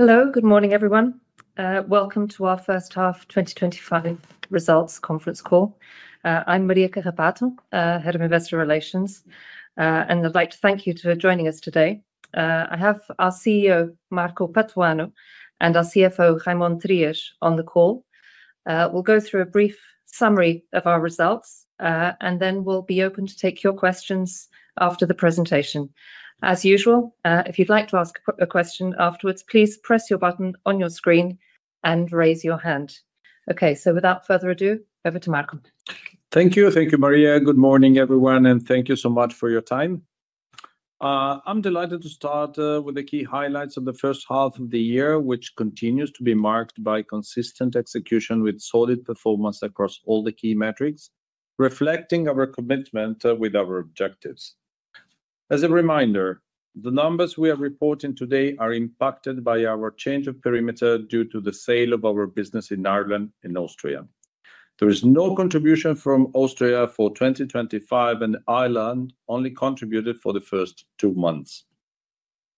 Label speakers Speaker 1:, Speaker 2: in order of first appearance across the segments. Speaker 1: Hello.
Speaker 2: Good morning everyone. Welcome to our first half 2025 results conference call. I'm Maria Carrapato, Head of Investor Relations, and I'd like to thank you for joining us today. I have our CEO Marco Emilio Patuano and our CFO Raimon Trias on the call. We'll go through a brief summary of our results and then we'll be open to take your questions after the presentation as usual. If you'd like to ask a question afterwards, please press your button on your screen and raise your hand. Okay, without further ado, over to Marco.
Speaker 3: Thank you. Thank you, Maria. Good morning everyone and thank you so much for your time. I'm delighted to start with the key highlights of the first half of the year, which continues to be marked by consistent execution with solid performance across all the key metrics, reflecting our commitment with our objectives. As a reminder, the numbers we are reporting today are impacted by our change of perimeter due to the sale of our business in Ireland and Austria. There is no contribution from Austria for 2025 and Ireland only contributed for the first two months.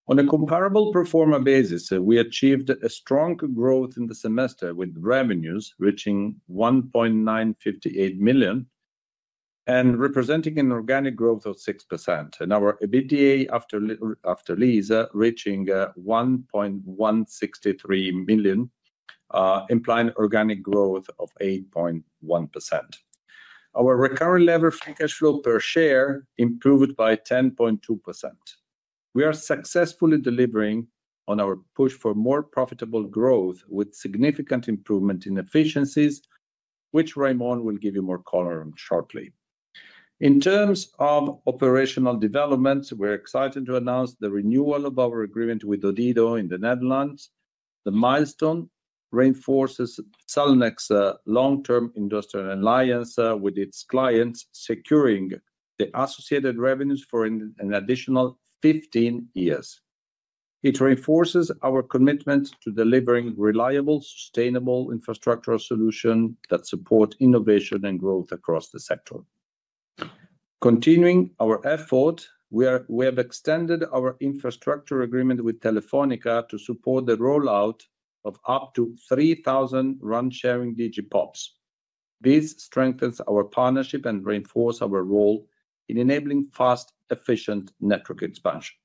Speaker 3: On a comparable pro forma basis, we achieved a strong growth in the semester with revenues reaching €1.958 million and representing an organic growth of 6% and our EBITDA after leases reaching €1.163 million, implying organic growth of 8.1%. Our recurrent levered free cash flow per share improved by 10.2%. We are successfully delivering on our push for more profitable growth with significant improvement in efficiencies, which Raimon will give you more color on shortly. In terms of operational developments, we're excited to announce the renewal of our agreement with Odido in the Netherlands. The milestone reinforces Cellnex's long-term industrial alliance with its clients, securing the associated revenues for an additional 15 years. It reinforces our commitment to delivering reliable, sustainable infrastructure solutions that support innovation and growth across the sector. Continuing our effort, we have extended our infrastructure agreement with Telefónica to support the rollout of up to 3,000 RAN sharing Digi PoPs. This strengthens our partnership and reinforces our role in enabling fast, efficient network expansion.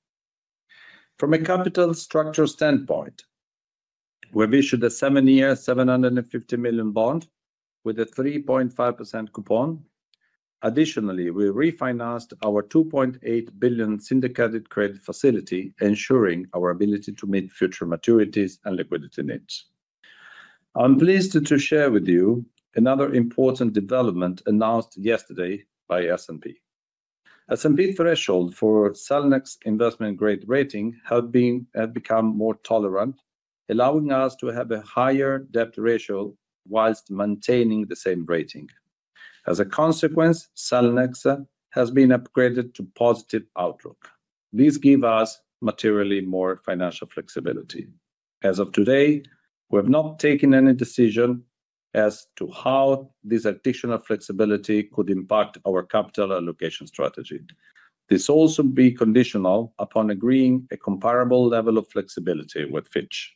Speaker 3: From a capital structure standpoint, we have issued a 7-year €750 million bond with a 3.5% coupon. Additionally, we refinanced our €2.8 billion syndicated credit facility, ensuring our ability to meet future maturities and liquidity needs. I'm pleased to share with you another important development announced yesterday by Standard & Poor’s. Standard & Poor’s threshold for Cellnex investment grade rating has become more tolerant, allowing us to have a higher debt ratio whilst maintaining the same rating. As a consequence, Cellnex has been upgraded to positive outlook. This gives us materially more financial flexibility. As of today, we have not taken any decision as to how this additional flexibility could impact our capital allocation strategy. This will also be conditional upon agreeing a comparable level of flexibility with Fitch.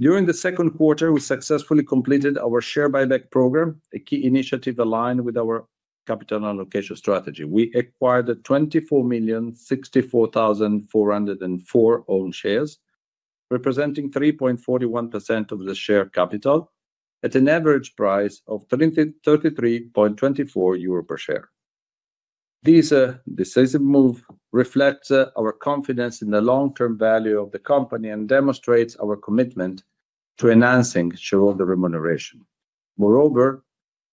Speaker 3: During the second quarter, we successfully completed our share buyback program, a key initiative aligned with our capital allocation strategy. We acquired 24,064,404 own shares representing 3.41% of the share capital at an average price of €33.24 per share. These decisive movements reflect our confidence in the long-term value of the company and demonstrate our commitment to enhancing shareholder remuneration. Moreover,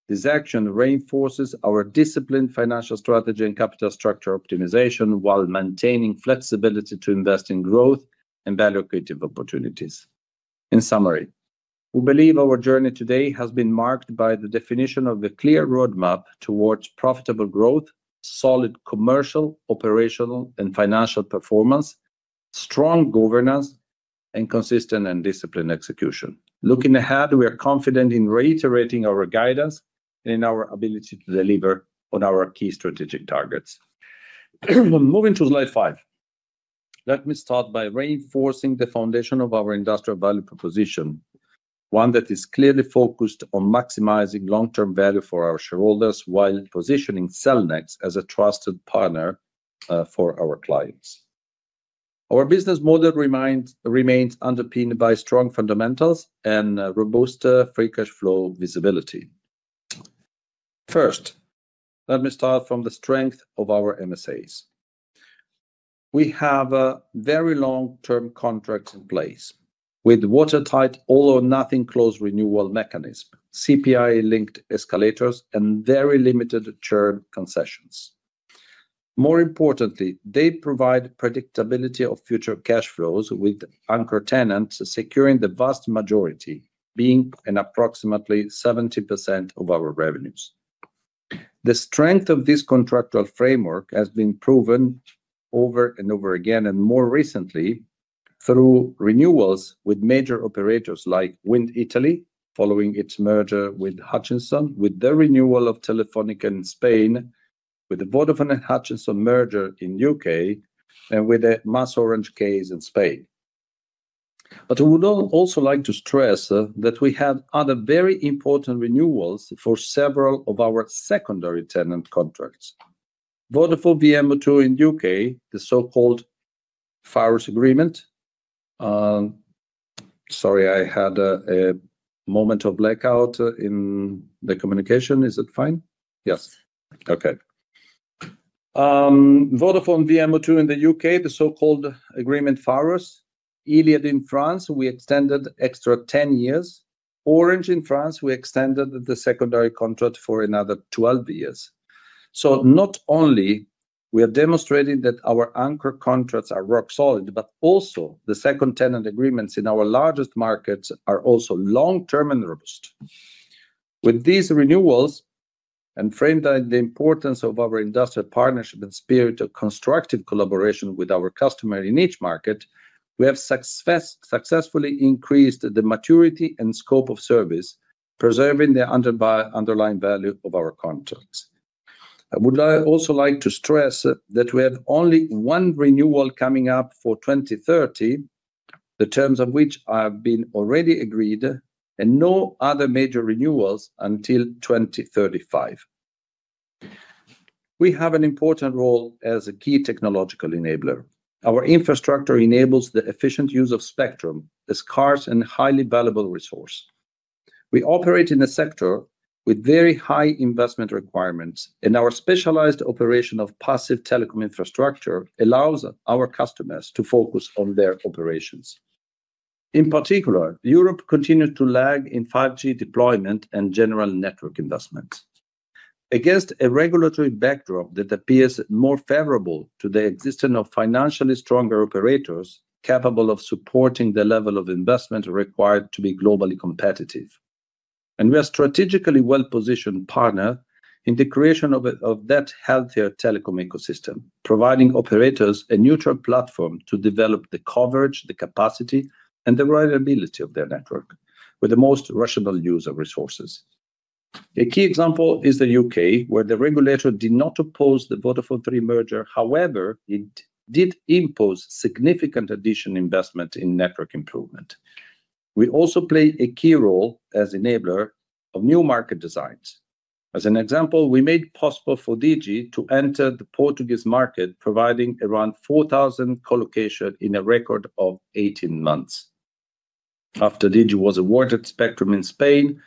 Speaker 3: this action reinforces our disciplined financial strategy and capital structure optimization while maintaining flexibility to invest in growth and value-creative opportunities. In summary, we believe our journey to date has been marked by the definition of a clear roadmap towards profitable growth, solid commercial, operational, and financial performance, strong governance, and consistent and disciplined execution. Looking ahead, we are confident in reiterating our guidance and in our ability to deliver on our key strategic targets. Moving to slide 5, let me start by reinforcing the foundation of our industrial value proposition, one that is clearly focused on maximizing long-term value for our shareholders while positioning Cellnex as a trusted partner for our clients. Our business model remains underpinned by strong fundamentals and robust free cash flow visibility. First, let me start from the strength of our MSAs. We have very long-term contracts in place with watertight all-or-nothing renewal mechanisms, CPI-linked escalators, and very limited churn concessions. More importantly, they provide predictability of future cash flows with anchor tenants securing the vast majority, being approximately 70% of our revenues. The strength of this contractual framework has been proven over and over again, and more recently through renewals with major operators like Wind Italy following its merger with Hutchison, with the renewal of Telefónica in Spain, with the Vodafone and Hutchison merger in the UK, and with the MasOrange case in Spain. I would also like to stress that we have other very important renewals for several of our secondary tenant contracts, for VMO2 in the UK, the so-called VIRUS agreement. Sorry, I had a moment of blackout in the communication. Is it fine? Yes.
Speaker 4: Okay.
Speaker 3: Vodafone VMO2 in the UK, the so-called agreement Farus Iliad in France, we extended extra 10 years. Orange in France, we extended the secondary contract for another 12 years. Not only are we demonstrating that our anchor contracts are rock solid, but also the second tenant agreements in our largest markets are also long term and robust. With these renewals, and framed by the importance of our industrial partnership and spirit of constructive collaboration with our customer in each market, we have successfully increased the maturity and scope of service, preserving the underlying value of our contracts. I would also like to stress that we have only one renewal coming up for 2030, the terms of which have been already agreed, and no other major renewals until 2035. We have an important role as a key technological enabler. Our infrastructure enables the efficient use of spectrum, a scarce and highly valuable resource. We operate in a sector with very high investment requirements, and our specialized operation of passive telecom infrastructure allows our customers to focus on their operations. In particular, Europe continues to lag in 5G deployment and general network investment against a regulatory backdrop that appears more favorable to the existence of financially stronger operators capable of supporting the level of investment required to be globally competitive, and we are strategically well positioned partner in the creation of that healthier telecom ecosystem, providing operators a neutral platform to develop the coverage, the capacity, and the reliability of their network with the most rational use of resources. A key example is the UK, where the regulator did not oppose the Vodafone 3 merger. However, it did impose significant additional investment in network improvement. We also played a key role as enabler of new market designs. As an example, we made possible for Digi to enter the Portuguese market, providing around 4,000 colocation in a record of 18 months after Digi was awarded spectrum in Spain.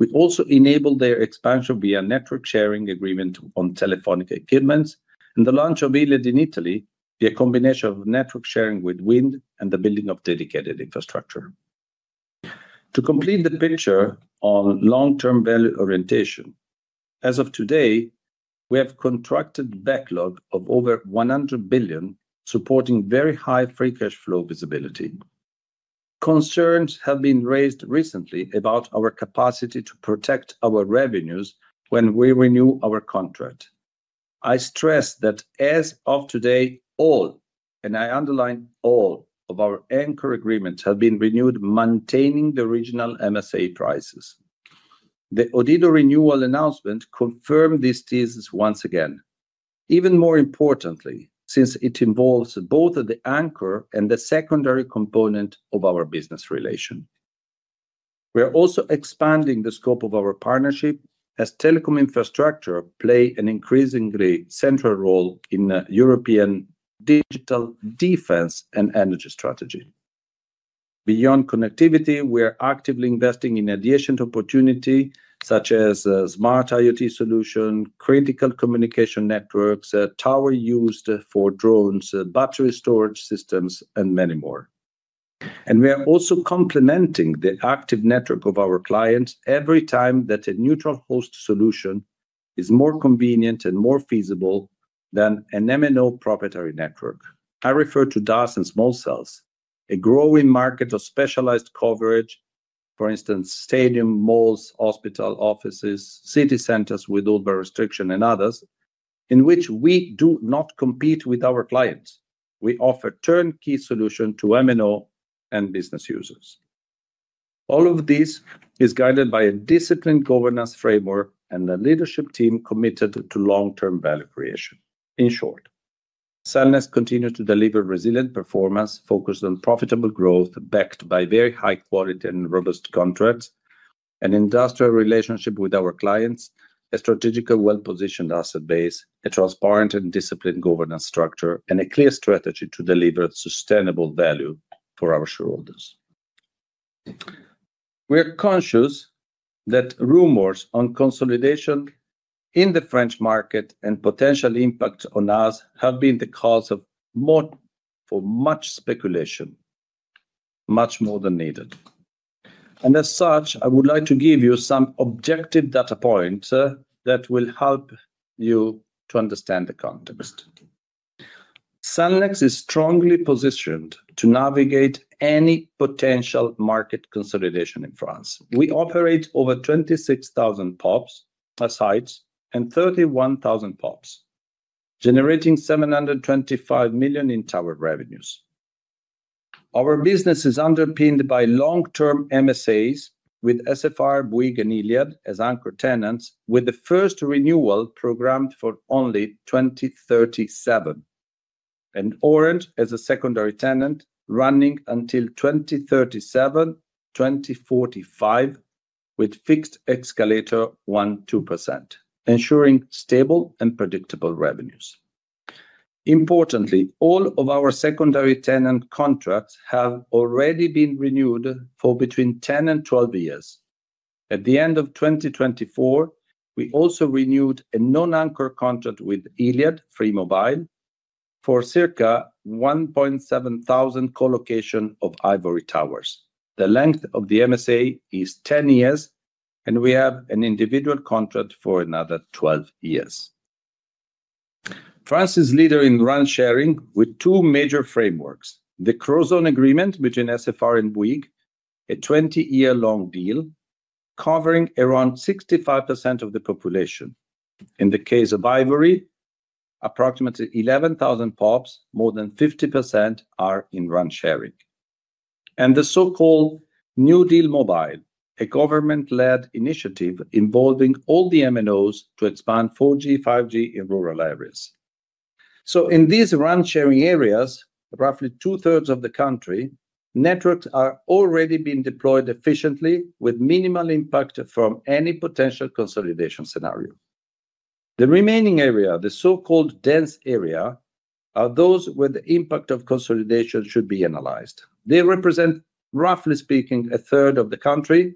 Speaker 3: We also enabled their expansion via network sharing agreement on Telefónica equipments and the launch of Iliad in Italy via combination of network sharing with Wind and the building of dedicated infrastructure. To complete the picture on long term value orientation, as of today we have contracted backlog of over €100 billion, supporting very high free cash flow visibility. Concerns have been raised recently about our capacity to protect our revenues when we renew our contract. I stress that as of today all, and I underline, all of our anchor agreements have been renewed maintaining the original MSA prices. The Odido renewal announcement confirmed this thesis once again. Even more importantly, since it involves both the anchor and the secondary component of our business relation. We are also expanding the scope of our partnership as telecom infrastructure plays an increasingly central role in European digital defense and energy strategy. Beyond connectivity, we are actively investing in adjacent opportunities such as smart IoT solutions, critical communication networks, towers used for drones, battery storage systems, and many more. We are also complementing the active network of our clients every time that a neutral host solution is more convenient and more feasible than an MNO proprietary network. I refer to DAS and small cells, a growing market of specialized coverage, for instance stadiums, malls, hospital offices, city centers with urban restriction and others in which we do not compete with our clients. We offer turnkey solutions to MNO and business users. All of this is guided by a disciplined governance framework and a leadership team committed to long-term value creation. In short, Cellnex continues to deliver resilient performance focused on profitable growth, backed by very high quality and robust contracts, an industrial relationship with our clients, a strategically well-positioned asset base, a transparent and disciplined governance structure, and a clear strategy to deliver sustainable value for our shareholders. We are conscious that rumors on consolidation in the French market and potential impact on us have been the cause for much speculation, much more than needed, and as such I would like to give you some objective data points that will help you to understand the context. Cellnex is strongly positioned to navigate any potential market consolidation. In France, we operate over 26,000 PoPs sites and 31,000 PoPs generating €725 million in tower revenues. Our business is underpinned by long-term MSAs with SFR, Bouygues Telecom, and Iliad as anchor tenants with the first renewal programmed for only 2037, and Orange as a secondary tenant running until 2037-2045 with fixed escalator 1.2% ensuring stable and predictable revenues. Importantly, all of our secondary tenant contracts have already been renewed for between 10 and 12 years. At the end of 2024 we also renewed a non-anchor contract with Iliad Free Mobile for circa 1,700 colocation of Ivory towers. The length of the MSA is 10 years and we have an individual contract for another 12 years. France is leader in RAN sharing with two major frameworks. The Crozon agreement between SFR and Bouygues, a 20-year long deal covering around 65% of the population. In the case of Ivory, approximately 11,000 POPs, more than 50% are in RAN sharing and the so-called New Deal Mobile, a government-led initiative involving all the MNOs to expand 4G 5G in rural areas. In these RAN sharing areas, roughly 2/3 of the country networks are already being deployed efficiently with minimal impact from any potential consolidation scenarios. The remaining area, the so-called dense area, are those where the impact of consolidation should be analyzed. They represent, roughly speaking, a third of the country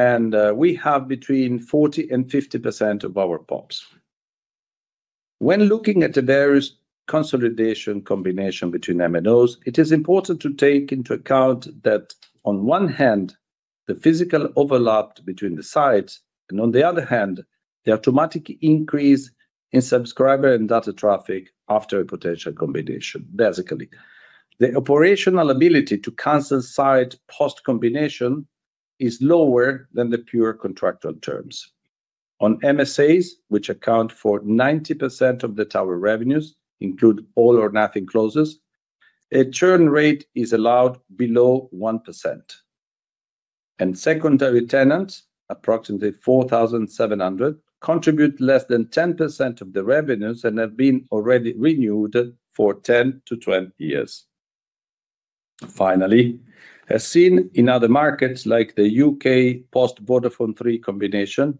Speaker 3: and we have between 40% and 50% of our POPs. When looking at the various consolidation combinations between MNOs it is important to take into account that on one hand the physical overlap between the sites and on the other hand the automatic increase in subscriber and data traffic after a potential combination. Basically, the operational ability to cancel sites post combination is lower than the pure contractual terms. On MSAs, which account for 90% of the tower revenues, include all-or-nothing clauses, a churn rate is allowed below 1% and secondary tenants, approximately 4,700, contribute less than 10% of the revenues and have been already renewed for 10 to 12 years. Finally, as seen in other markets like the UK, post Vodafone 3 combination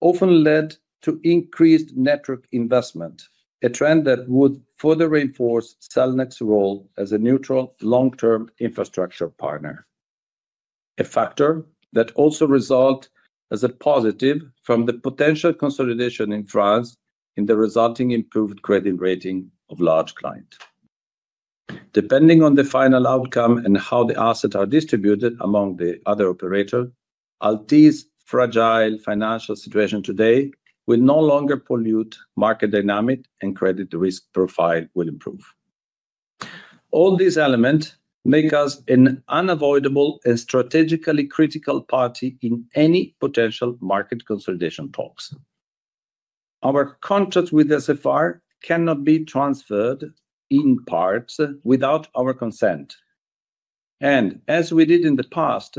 Speaker 3: often led to increased network investment, a trend that would further reinforce Cellnex's role as a neutral long-term infrastructure partner, a factor that also results as a positive from the potential consolidation in France. In the resulting improved credit rating of large clients depending on the final outcome and how the assets are distributed among the other operator, Altice's fragile financial situation today will no longer pollute market dynamic and credit risk profile will improve. All these elements make us an unavoidable and strategically critical party in any potential market consolidation talks. Our contracts with SFR cannot be transferred in part without our consent, and as we did in the past,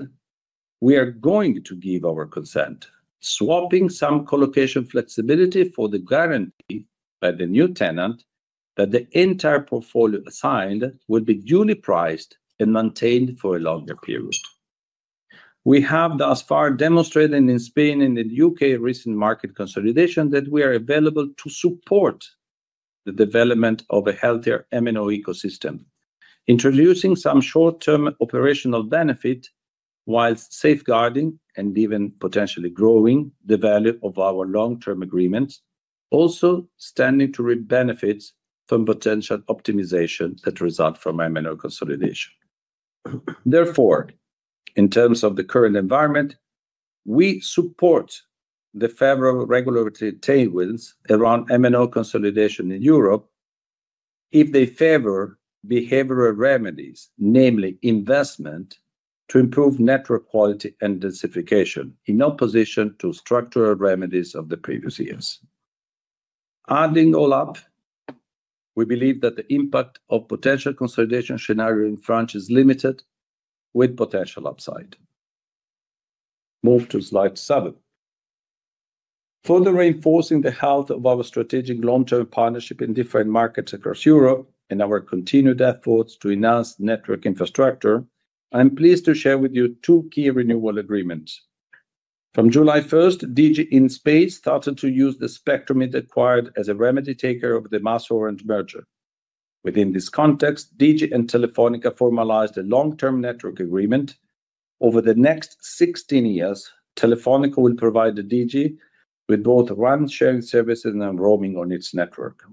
Speaker 3: we are going to give our consent, swapping some collocation flexibility for the guarantee by the new tenant that the entire portfolio assigned will be duly priced and maintained for a longer period. We have thus far demonstrated in Spain and in the UK recent market consolidation that we are available to support the development of a healthier MNO ecosystem, introducing some short-term operational benefit while safeguarding and even potentially growing the value of our long-term agreements, also standing to reap benefits from potential optimization that result from MNO consolidation. Therefore, in terms of the current environment, we support the favorable regulatory tailwinds around MNO consolidation in Europe if they favor behavioral remedies, namely investment to improve network quality and densification in opposition to structural remedies of the previous years. Adding all up, we believe that the impact of potential consolidation scenario in France is limited with potential upside. Move to slide seven, further reinforcing the health of our strategic long-term partnership in different markets across Europe and our continued efforts to enhance network infrastructure. I am pleased to share with you two key renewal agreements. From July 1, Digi in Spain started to use the spectrum it acquired as a remedy taker of the MasOrange merger. Within this context, Digi and Telefónica formalized a long-term network agreement. Over the next 16 years, Telefónica will provide Digi with both RAN sharing services and roaming on its network.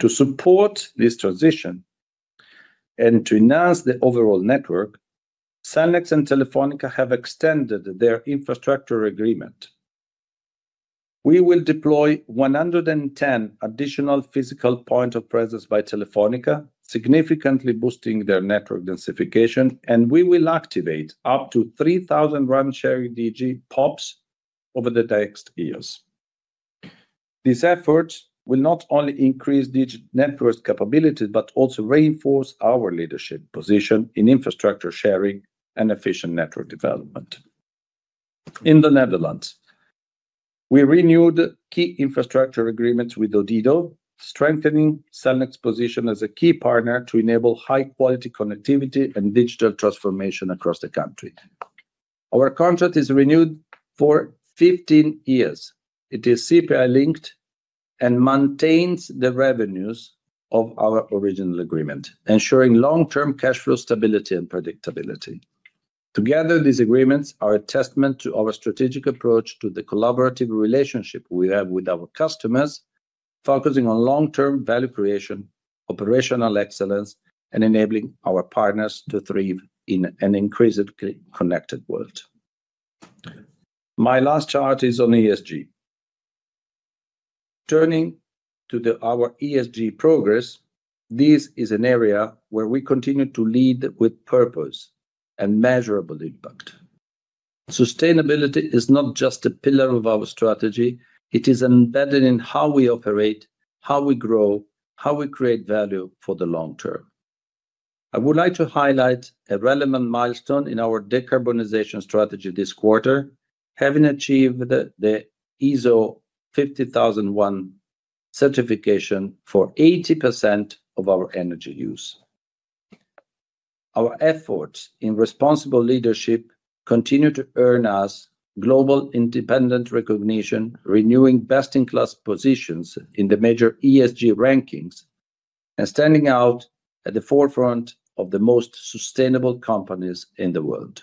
Speaker 3: To support this transition and to enhance the overall network, Cellnex and Telefónica have extended their infrastructure agreement. We will deploy 110 additional physical points of presence by Telefónica, significantly boosting their network densification, and we will activate up to 3,000 RAN sharing Digi PoPs over the next years. This effort will not only increase Digi network capabilities, but also reinforce our leadership position in infrastructure sharing and efficient network development. In the Netherlands, we renewed key infrastructure agreements with Odido, strengthening Cellnex's position as a key partner to enable high-quality connectivity and digital transformation across the country. Our contract is renewed for 15 years. It is CPI linked and maintains the revenues of our original agreement, ensuring long-term cash flow, stability, and predictability. Together, these agreements are a testament to our strategic approach to the collaborative relationship we have with our customers and focusing on long-term value creation, operational excellence, and enabling our partners to thrive in an increasingly connected world. My last chart is on ESG. Turning to our ESG progress, this is an area where we continue to lead with purpose and measurable impact. Sustainability is not just a pillar of our strategy, it is embedded in how we operate, how we grow, how we create value for the long term. I would like to highlight a relevant milestone in our decarbonization strategy this quarter. Having achieved the ISO 50001 certification for 80% of our energy use, our efforts in responsible leadership continue to earn us global independent recognition, renewing best-in-class positions in the major ESG rankings and standing out at the forefront of the most sustainable companies in the world.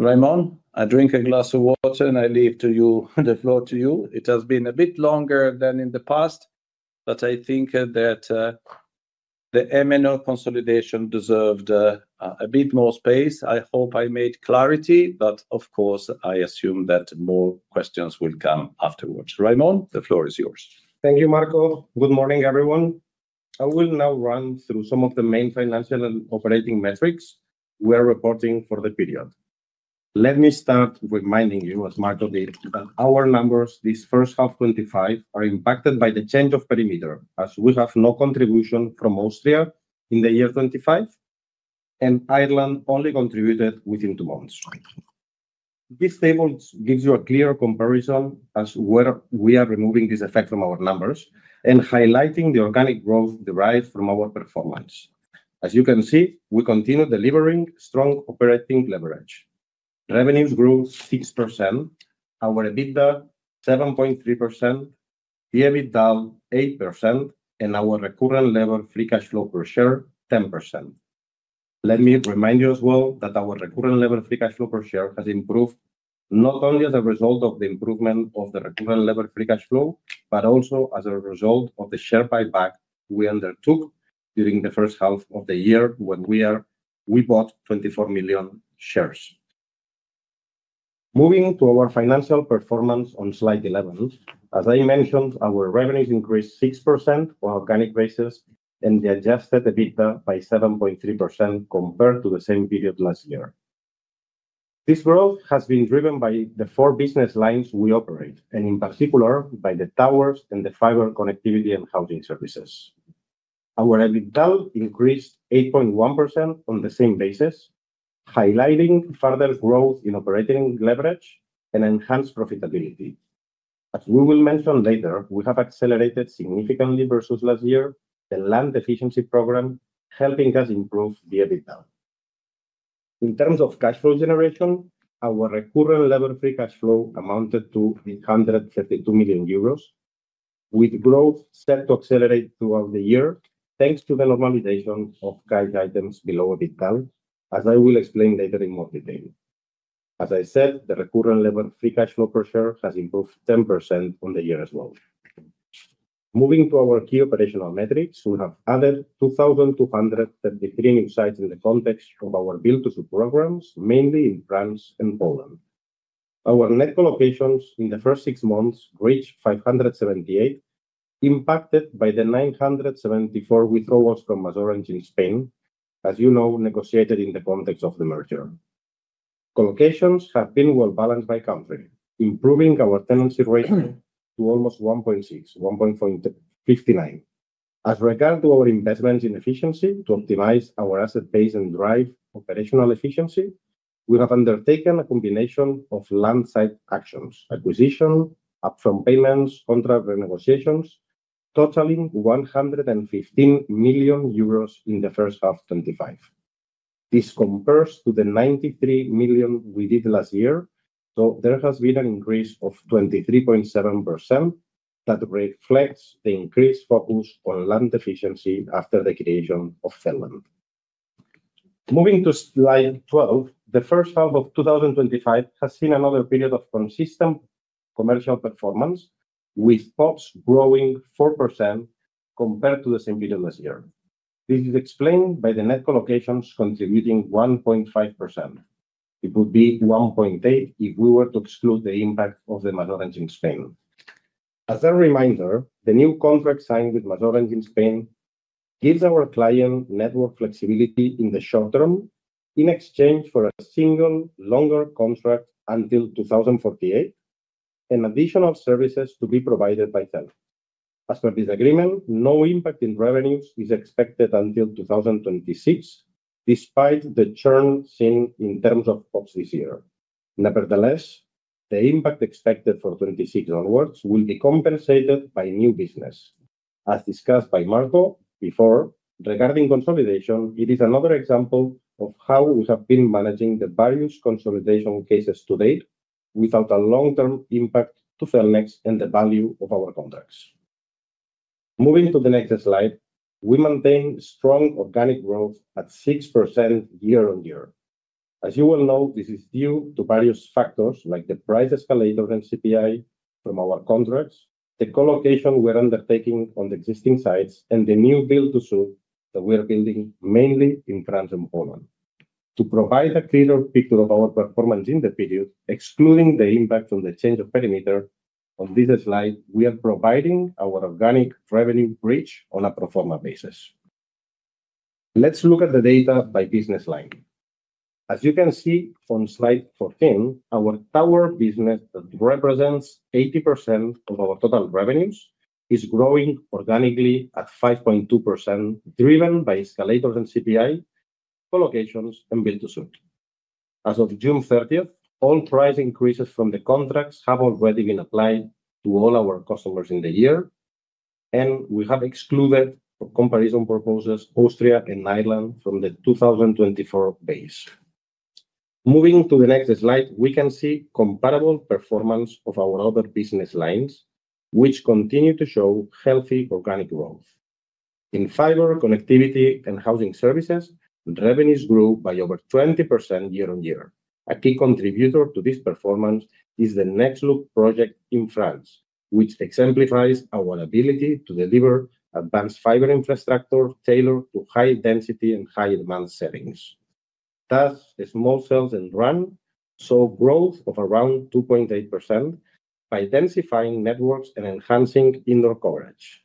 Speaker 3: Raimon, I drink a glass of water and I leave to you the floor to you. It has been a bit longer than in the past, but I think that the MNO consolidation deserved a bit more space. I hope I made clarity, but of course I assume that more questions will come afterwards. Raimon, the floor is yours.
Speaker 4: Thank you, Marco. Good morning, everyone. I will now run through some of the main financial and operating metrics we are reporting for the period. Let me start reminding you, as Marco did, that our numbers this first half 2025 are impacted by the change of perimeter as we have no contribution from Austria in the year 2025 and Ireland only contributed within two months. This table gives you a clear comparison as where we are removing this effect from our numbers and highlighting the organic growth derived from our performance. As you can see, we continue delivering strong operating leverage. Revenues grew 6%, our EBITDA 7.3%, the EBITDA 8%, and our recurrent levered free cash flow per share 10%. Let me remind you as well that our recurrent levered free cash flow per share has improved not only as a result of the improvement of the recurrent levered free cash flow, but also as a result of the share buyback we undertook during the first half of the year when we bought 24 million shares. Moving to our financial performance on Slide 11. As I mentioned, our revenues increased 6% on organic basis and the adjusted EBITDA by 7.3% compared to the same period last year. This growth has been driven by the four business lines we operate and in particular by the towers and the fiber connectivity and housing services. Our EBITDA increased 8.1% on the same basis, highlighting further growth in operating leverage and enhanced profitability. As we will mention later, we have accelerated significantly versus last year the land efficiency program, helping us improve the EBITDA. In terms of cash flow generation, our recurrent levered free cash flow amounted to €332 million with growth set to accelerate throughout the year thanks to the normalization of cash items below. As I will explain later in more detail, as I said, the recurrent levered free cash flow per share has improved 10% on the year as well. Moving to our key operational metrics, we have added 2,233 sites in the context of our build-to-suit programs mainly in France and Poland. Our net allocations in the first six months reached 578, impacted by the 974 withdrawals from MasOrange in Spain. As you know, negotiated in the context of the merger, collocations have been well balanced by country, improving our tenancy rate to almost 1.6, 1.59. As regards to our investments in efficiency to optimize our asset base and drive operational efficiency, we have undertaken a combination of land site actions, acquisition, upfront payments, contract renegotiations totaling €115 million in the first half 2025. This compares to the €93 million we did last year, so there has been an increase of 23.7% that reflects the increased focus on land efficiency after the creation of Finland. Moving to Slide 12, the first half of 2025 has seen another period of consistent commercial performance with POPs growing 4% compared to the same period last year. This is explained by the net collocations contributing 1.5%. It would be 1.8% if we were to exclude the impact of the majority in Spain. As a reminder, the new contract signed with MasOrange in Spain gives our client network flexibility in the short term in exchange for a single longer contract until 2048 and additional services to be provided by TEL. As per this agreement, no impact in revenues is expected until 2026 despite the churn seen in terms of POPs this year, nevertheless the impact expected for 2026 onwards will be compensated by new business. As discussed by Marco before regarding consolidation, it is another example of how we have been managing the various consolidation cases to date without a long-term impact to Cellnex and the value of our contracts. Moving to the next slide, we maintain strong organic growth at 6% year on year. As you will know, this is due to various factors like the price escalator and CPI from our contracts, the collocation we're undertaking on the existing sites and the new build to suit that we are building mainly in Transom Poland. To provide a clearer picture of our performance in the period excluding the impact on the change of perimeter, on this slide we are providing our organic revenue bridge on a pro forma basis. Let's look at the data by business line. As you can see on Slide 14, our tower business represents 80% of our total revenues and is growing organically at 5.2% driven by escalators and CPI, collocations, and build to suit. As of June 30, all price increases from the contracts have already been applied to all our customers in the year and we have excluded for comparison purposes Austria and Ireland from the 2024 base. Moving to the next slide, we can see comparable performance of our other business lines which continue to show healthy organic growth in fiber connectivity and housing services. Revenues grew by over 20% year on year. A key contributor to this performance is the Nextlook project in France, which exemplifies our ability to deliver advanced fiber infrastructure tailored to high-density and high-demand settings. Thus, small cells and RAN show growth of around 2.8% by densifying networks and enhancing indoor coverage.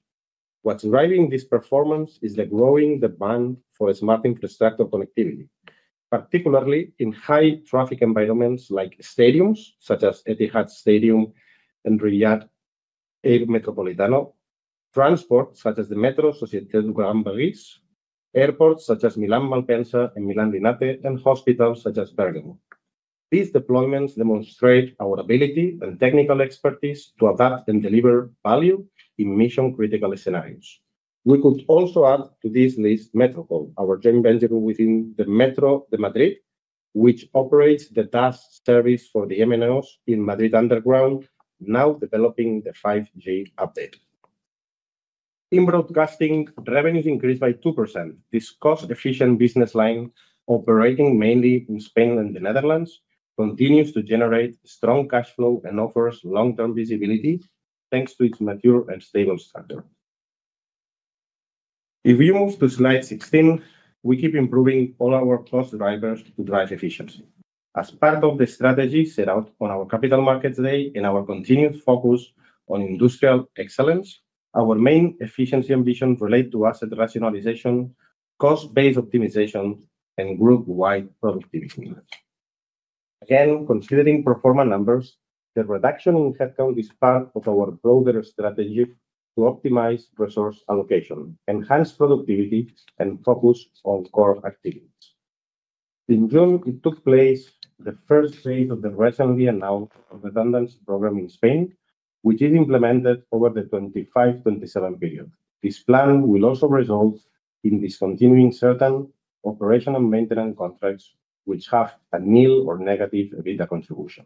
Speaker 4: What's driving this performance is the growing demand for smart infrastructure connectivity, particularly in high-traffic environments like stadiums such as Etihad Stadium and Riyadh Air, Metropolitano transport such as the Metro, associated Gran Baris, airports such as Milan Malpensa and Milan Linate, and hospitals such as Bergamo. These deployments demonstrate our ability and technical expertise to adapt and deliver value in mission-critical scenarios. We could also add to this list Metrocall, our joint venture within the Metro de Madrid, which operates the DAS service for the MNOs in Madrid underground. Now, developing the 5G update in broadcasting, revenues increased by 2%. This cost-efficient business line, operating mainly in Spain and the Netherlands, continues to generate strong cash flow and offers long-term visibility thanks to its mature and stable structure. If you move to slide 16, we keep improving all our cost drivers to drive efficiency as part of the strategy set out on our Capital Markets Day and our continued focus on industrial excellence. Our main efficiency ambitions relate to asset rationalization, cost-based optimization, and group-wide productivity. Again, considering performance numbers, the reduction in headcount is part of our broader strategy to optimize resource allocation, enhance productivity, and focus on core activities. In June, it took place the first phase of the recently announced redundancy program in Spain, which is implemented over the 2025-2027 period. This plan will also result in discontinuing certain operational maintenance contracts which have a nil or negative EBITDA contribution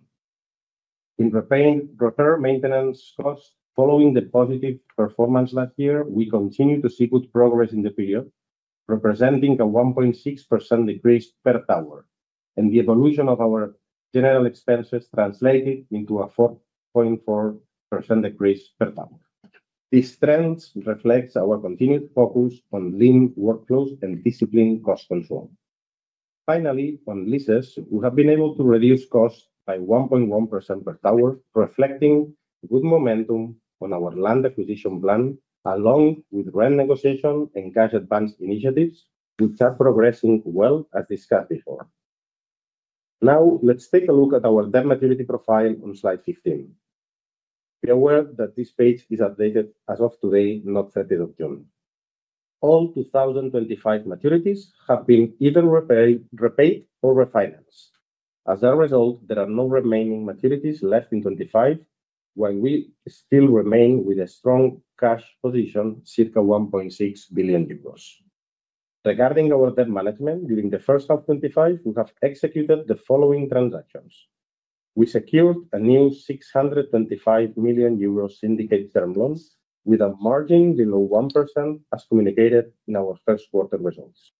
Speaker 4: in repair maintenance costs. Following the positive performance last year, we continue to see good progress in the period, representing a 1.6% decrease per tower and the evolution of our general expenses translated into a 4.4% increase per tower. This trend reflects our continued focus on lean workflows and disciplined cost control. Finally, on leases we have been able to reduce costs by 1.1% per tower, reflecting good momentum on our land acquisition plan along with rent negotiation and cash advance initiatives, which are progressing well as discussed before. Now let's take a look at our debt maturity profile on slide 15. Be aware that this page is updated as of today, not June 30. All 2025 maturities have been either repaid or refinanced. As a result, there are no remaining maturities left in 2025 while we still remain with a strong cash position, circa €1.6 billion. Regarding our term management, during the first half of 2025 we have executed the following transactions. We secured a new €625 million syndicated term loan with a margin below 1% as communicated in our first quarter results.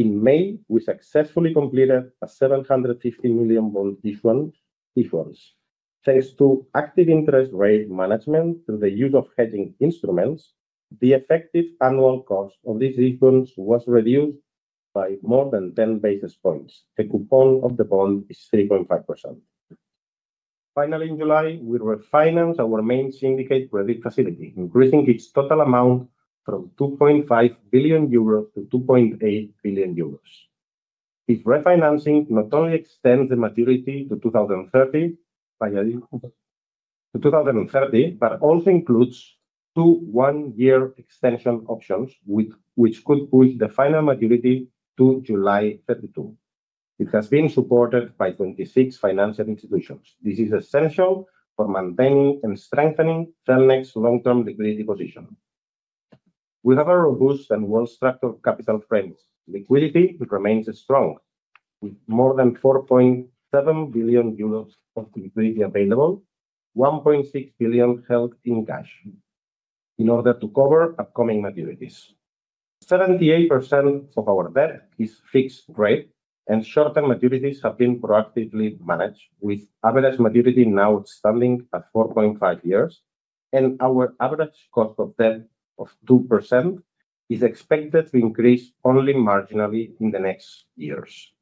Speaker 4: In May, we successfully completed a €750 million bond, the fund difference thanks to active interest rate management through the use of hedging instruments. The effective annual cost of this issuance was reduced by more than 10 basis points. The coupon of the bond is 3.5%. Finally, in July we refinanced our main syndicated credit facility, increasing its total amount from €2.5 billion to €2.8 billion. Its refinancing not only extends the maturity to 2030, but also includes two one-year extension options, which could push the final maturity to July 2032. It has been supported by 26 financial institutions. This is essential for maintaining and strengthening Cellnex Telecom's long-term liquidity position. We have a robust and well-structured capital framework. Liquidity remains strong with more than €4.7 billion of liquidity available, €1.6 billion held in cash in order to cover upcoming maturities. 78% of our debt is fixed rate, and short-term maturities have been proactively managed with average maturity now standing at 4.5 years. Our average cost of debt of 2% is expected to increase only marginally in the next years.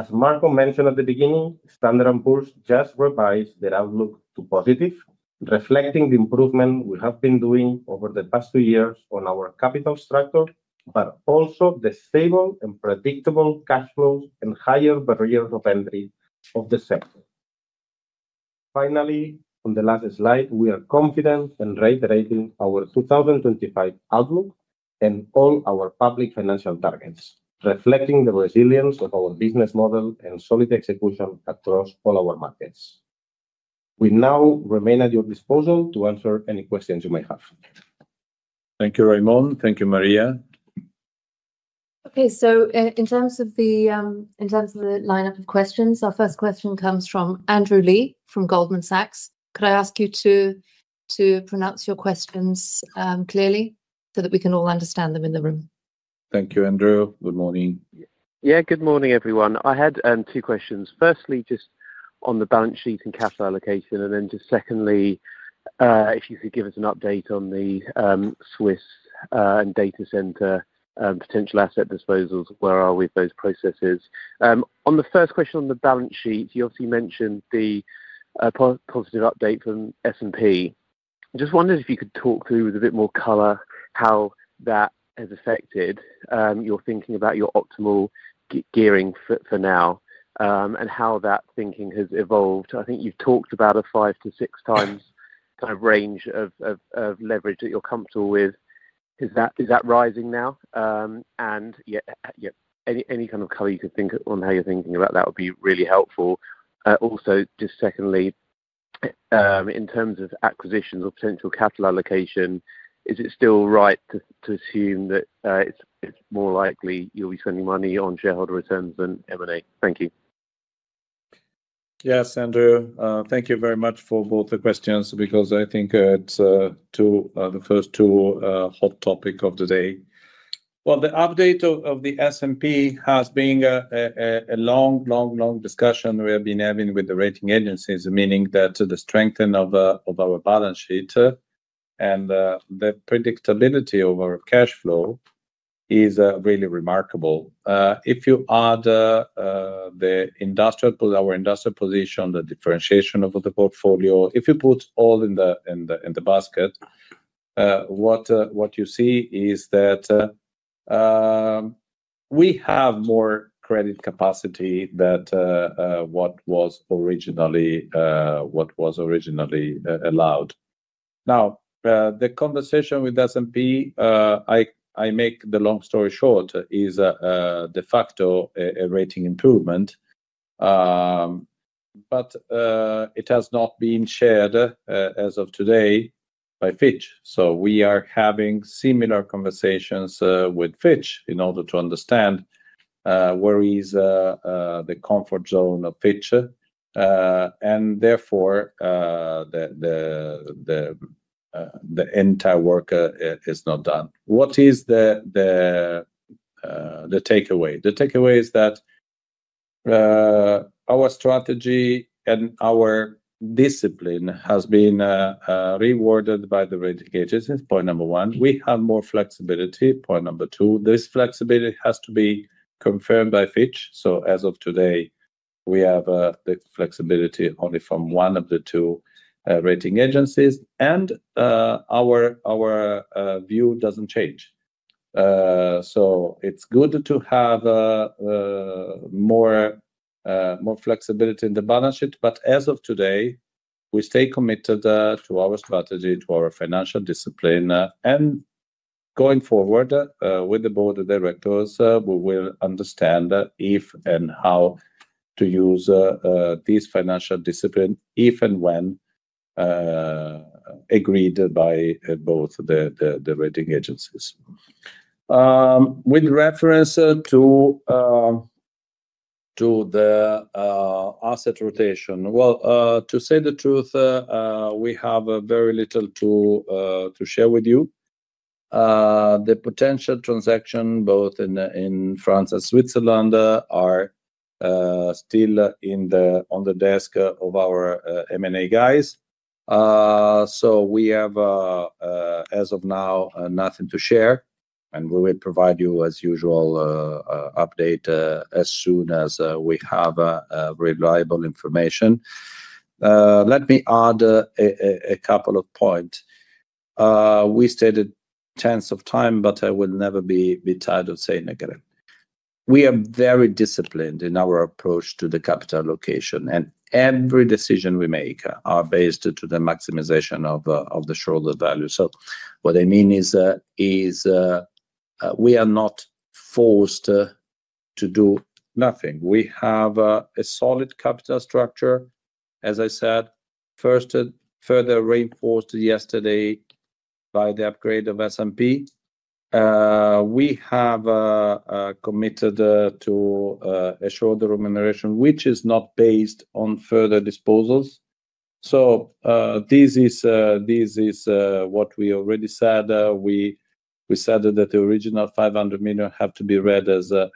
Speaker 4: As Marco Emilio Patuano mentioned at the beginning, Standard & Poor’s just revised their outlook to positive, reflecting the improvement we have been doing over the past two years on our capital structure, but also the stable and predictable cash flows and higher barriers of entry of the sector. Finally, on the last slide, we are confident in reiterating our 2025 outlook and all our public financial targets, reflecting the resilience of our business model and solid execution across all our markets. We now remain at your disposal to answer any questions you may have.
Speaker 3: Thank you, Raimon. Thank you, Maria.
Speaker 2: Okay, in terms of the lineup of questions, our first question comes from Andrew Lee from Goldman Sachs. Could I ask you to pronounce your questions clearly so that we can all understand them in the room?
Speaker 3: Thank you, Andrew. Good morning. Yeah, good morning everyone. I had two questions. Firstly, just on the balance sheet and cash allocation, and then secondly, if you could give us an update on the Swiss and data center potential asset disposals. Where are we with those processes? On the first question on the balance sheet, you obviously mentioned the positive update from S&P. Just wondered if you could talk through with a bit more color how that has affected your thinking about your optimal gearing for now and how that thinking has evolved. I think you've talked about a five to six times kind of range of leverage that you're comfortable with. Is that rising now? Any kind of color you could think on how you're thinking about that would be really helpful. Also, just secondly, in terms of acquisitions or potential capital allocation, is it still right to assume that it's more likely you'll be spending money on shareholder returns than M&A? Thank you. Yes, Andrew, thank you very much for both the questions because I think it's to the first two hot topic of the day. The update of the S&P has been a long, long, long discussion we have been having with the rating agencies. Meaning that the strength of our balance sheet and the predictability of our cash flow is really remarkable. If you add our industrial position, the differentiation of the portfolio, if you put all in the basket.
Speaker 4: What.
Speaker 3: You see is that we have more credit capacity than what was originally allowed. Now the conversation with S&P, I make the long story short, is de facto a rating improvement, but it has not been shared as of today by Fitch. We are having similar conversations with Fitch in order to understand where is the comfort zone of Fitch and therefore the entire work is not done. What is the takeaway? The takeaway is that our strategy and our discipline has been rewarded by the raters since point number one, we have more flexibility. Point number two, this flexibility has to be confirmed by Fitch. As of today, we have the flexibility only from one of the two rating agencies and our view doesn't change. It's good to have more flexibility in the balance sheet. As of today, we stay committed to our strategy, to our financial discipline and going forward with the Board of Directors, we will understand if and how to use this financial discipline, if and when agreed by both the rating agencies with reference to the asset rotation. To say the truth, we have very little to share with you. The potential transaction both in France and Switzerland are still on the desk of our M&A guys. We have as of now, nothing to share. We will provide you as usual update as soon as we have reliable information. Let me add a couple of points. We stated tens of times, but I will never be tired of saying again. We are very disciplined in our approach to the capital allocation and every decision we make are based to the maximization of the shareholder value. What I mean is we are not forced to do anything. We have a solid capital structure, as I said, further reinforced yesterday by the upgrade of S&P. We have committed to a shareholder remuneration which is not based on further disposals. This is what we already said. We said that the original $500 million have to be read as a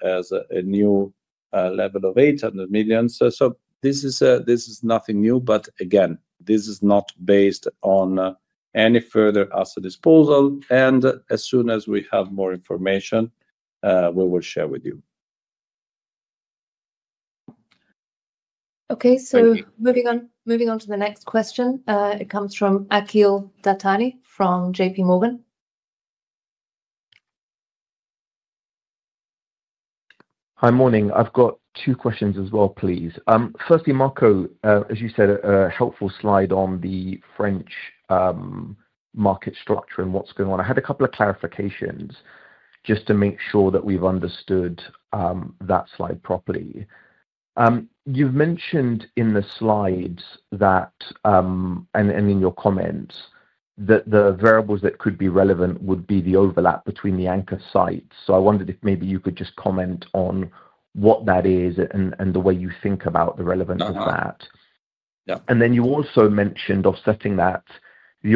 Speaker 3: new level of $800 million. This is nothing new. Again, this is not based on any further asset disposal and as soon as we have more information, we will share with you.
Speaker 2: Okay, moving on to the next question. It comes from Akhil Dattani from JPMorgan Chase. Hi. Morning. I've got two questions as well, please. Firstly, Marco, as you said, a helpful slide on the French market structure and what's going on. I had a couple of clarifications just to make sure that we've understood that slide properly. You've mentioned in the slides and in your comments that the variables that could be relevant would be the overlap between the anchor sites. I wondered if maybe you could just comment on what that is and the way you think about the relevance of that. You also mentioned offsetting the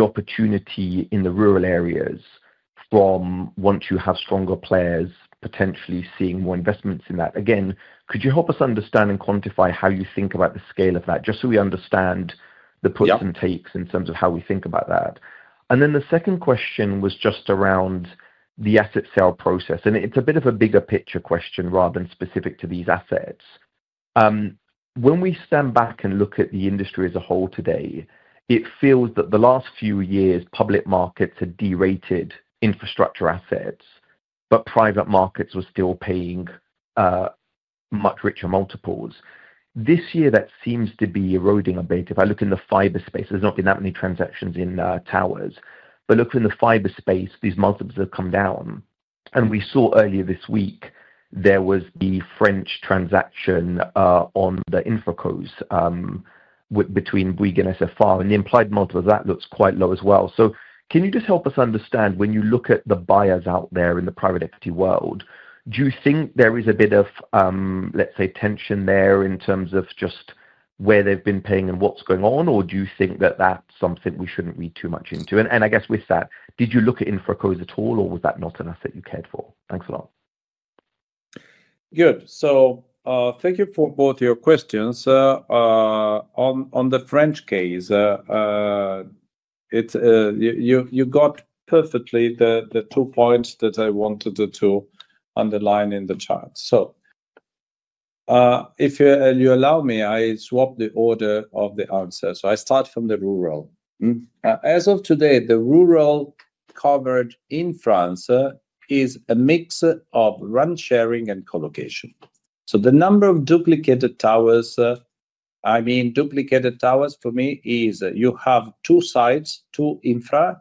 Speaker 2: opportunity in the rural areas from once you have stronger players, potentially seeing more investments in that. Could you help us understand and quantify how you think about the scale of that, just so we understand the puts and takes in terms of how we think about that? The second question was just around the asset sale process, and it's a bit of a bigger picture question rather than specific to these assets. When we stand back and look at the industry as a whole today, it feels that the last few years, public markets had derated infrastructure assets, but private markets were still paying much richer multiples. This year, that seems to be eroding a bit. If I look in the fiber space, there's not been that many transactions in towers. If you look in the fiber space, these multiples have come down. We saw earlier this week there was the French transaction on the infracos between WIG and SFR, and the implied multiple of that looks quite low as well. Can you just help us understand, when you look at the buyers out there in the private equity world, do you think there is a bit of, let's say, tension there in terms of just where they've been paying and what's going on, or do you think that that's something we shouldn't read too much into? With that, did you look at infracos at all, or was that not enough that you cared for? Thanks a lot.
Speaker 3: Good. Thank you for both your questions on the French case. You got perfectly the two points that I wanted to underline in the chart. If you allow me, I swap the order of the answer. I start from the rural. As of today, the rural coverage in France is a mix of RAN sharing and colocation. The number of duplicated towers, I mean duplicated towers for me is you have two sites, two infra,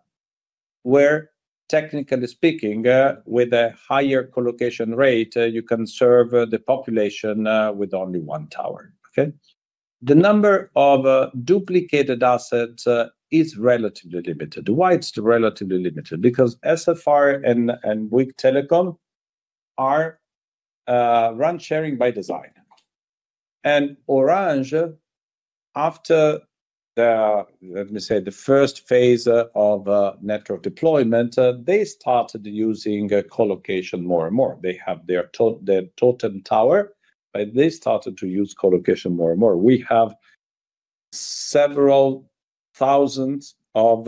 Speaker 3: where, technically speaking, with a higher colocation rate, you can serve the population with only one tower. The number of duplicated assets is relatively limited. Why? It's relatively limited because SFR and Bouygues Telecom are RAN sharing by design. Orange, after, let me say, the first phase of network deployment, started using colocation more and more. They have their Totem tower, but they started to use colocation more and more. We have several thousands of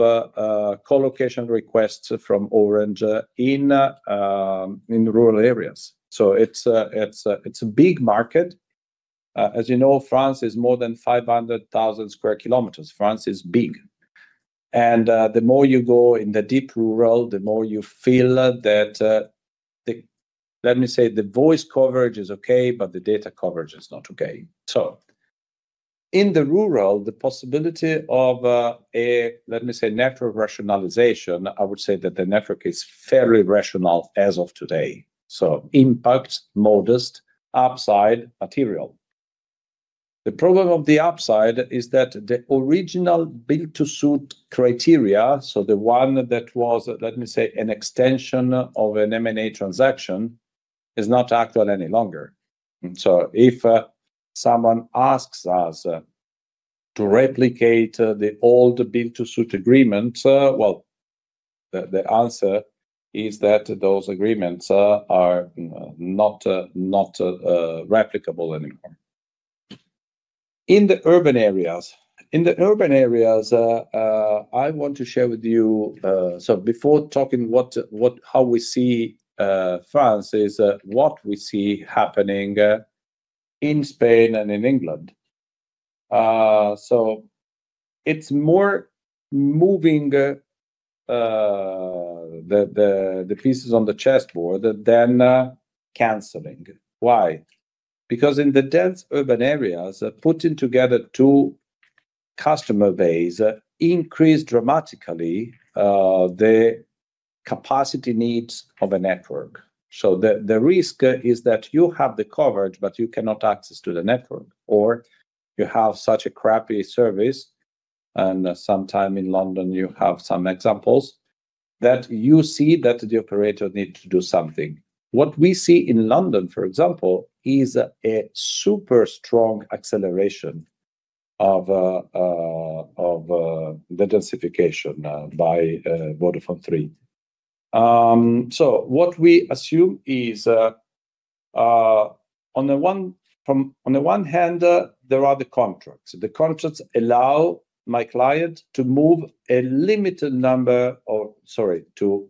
Speaker 3: colocation requests from Orange in rural areas. It's a big market. As you know, France is more than 500,000 square kilometers. France is big. The more you go in the deep rural, the more you feel that, let me say, the voice coverage is okay, but the data coverage is not okay, so in the rural the possibility of a, let me say, network rationalization. I would say that the network is fairly rational as of today. Impact modest upside material. The problem of the upside is that the original build-to-suit criteria, so the one that was, let me say, an extension of an M&A transaction, is not actual any longer. If someone asks us to replicate the old build-to-suit agreement, the answer is that those agreements are not replicable anymore. In the urban areas, I want to share with you, before talking how we see France, what we see happening in Spain and in England. It's more moving the pieces on the chessboard than canceling. Why? Because in the dense urban areas, putting together two customer bases increases dramatically the capacity needs of a network. The risk is that you have the coverage, but you cannot access the network or you have such a crappy service. Sometime in London you have some examples that you see that the operator needs to do something. What we see in London, for example, is a super strong acceleration of. The. Densification by Vodafone 3. What we assume is, on the one hand, there are the contracts. The contracts allow my client to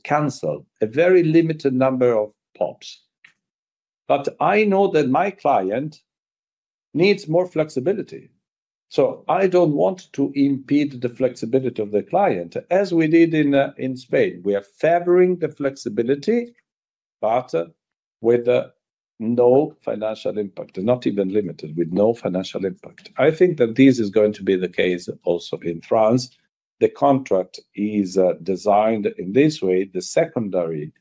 Speaker 3: cancel a very limited number of PoPs. I know that my client needs more flexibility. I do not want to impede the flexibility of the client as we did in Spain. We are favoring the flexibility, but with no financial impact. Not even limited, with no financial impact. I think that this is going to be the case also in France. The contract is designed in this way, the secondary.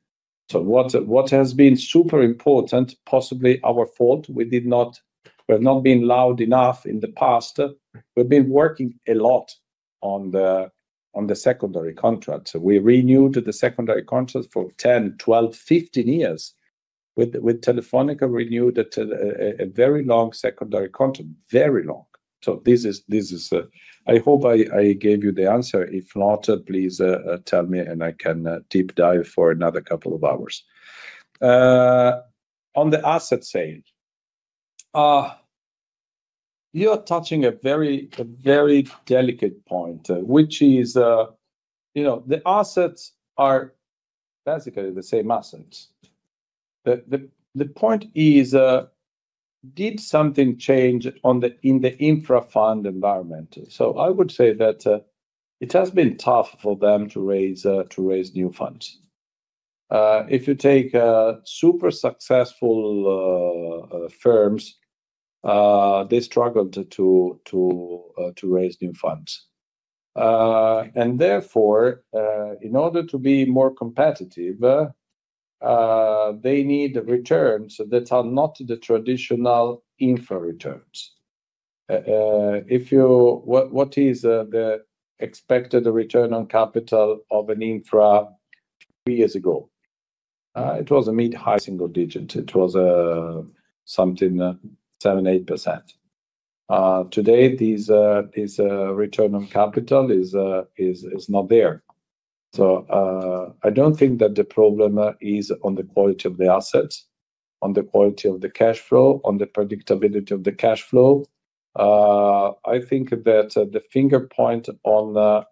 Speaker 3: What has been super important, possibly our fault, is we have not been loud enough in the past. We have been working a lot on the secondary contract. We renewed the secondary contract for 10, 12, 15 years. With Telefónica, we renewed a very long secondary contract. Very long. I hope I gave you the answer. If not, please tell me and I can deep dive for another couple of hours on the asset sale. You are touching a very delicate point, which is the assets are basically the same assets. The point is, did something change in the infra fund environment? I would say that it has been tough for them to raise new funds. If you take super successful firms, they struggled to raise new funds and therefore, in order to be more competitive, they need returns that are not the traditional infra returns. What is the expected return on capital of an infra? Three years ago it was a mid high single digit, it was something 7, 8% today. This return on capital is not there. I do not think that the problem is on the quality of the assets, on the quality of the cash flow, on the predictability of the cash flow. I think that the finger point on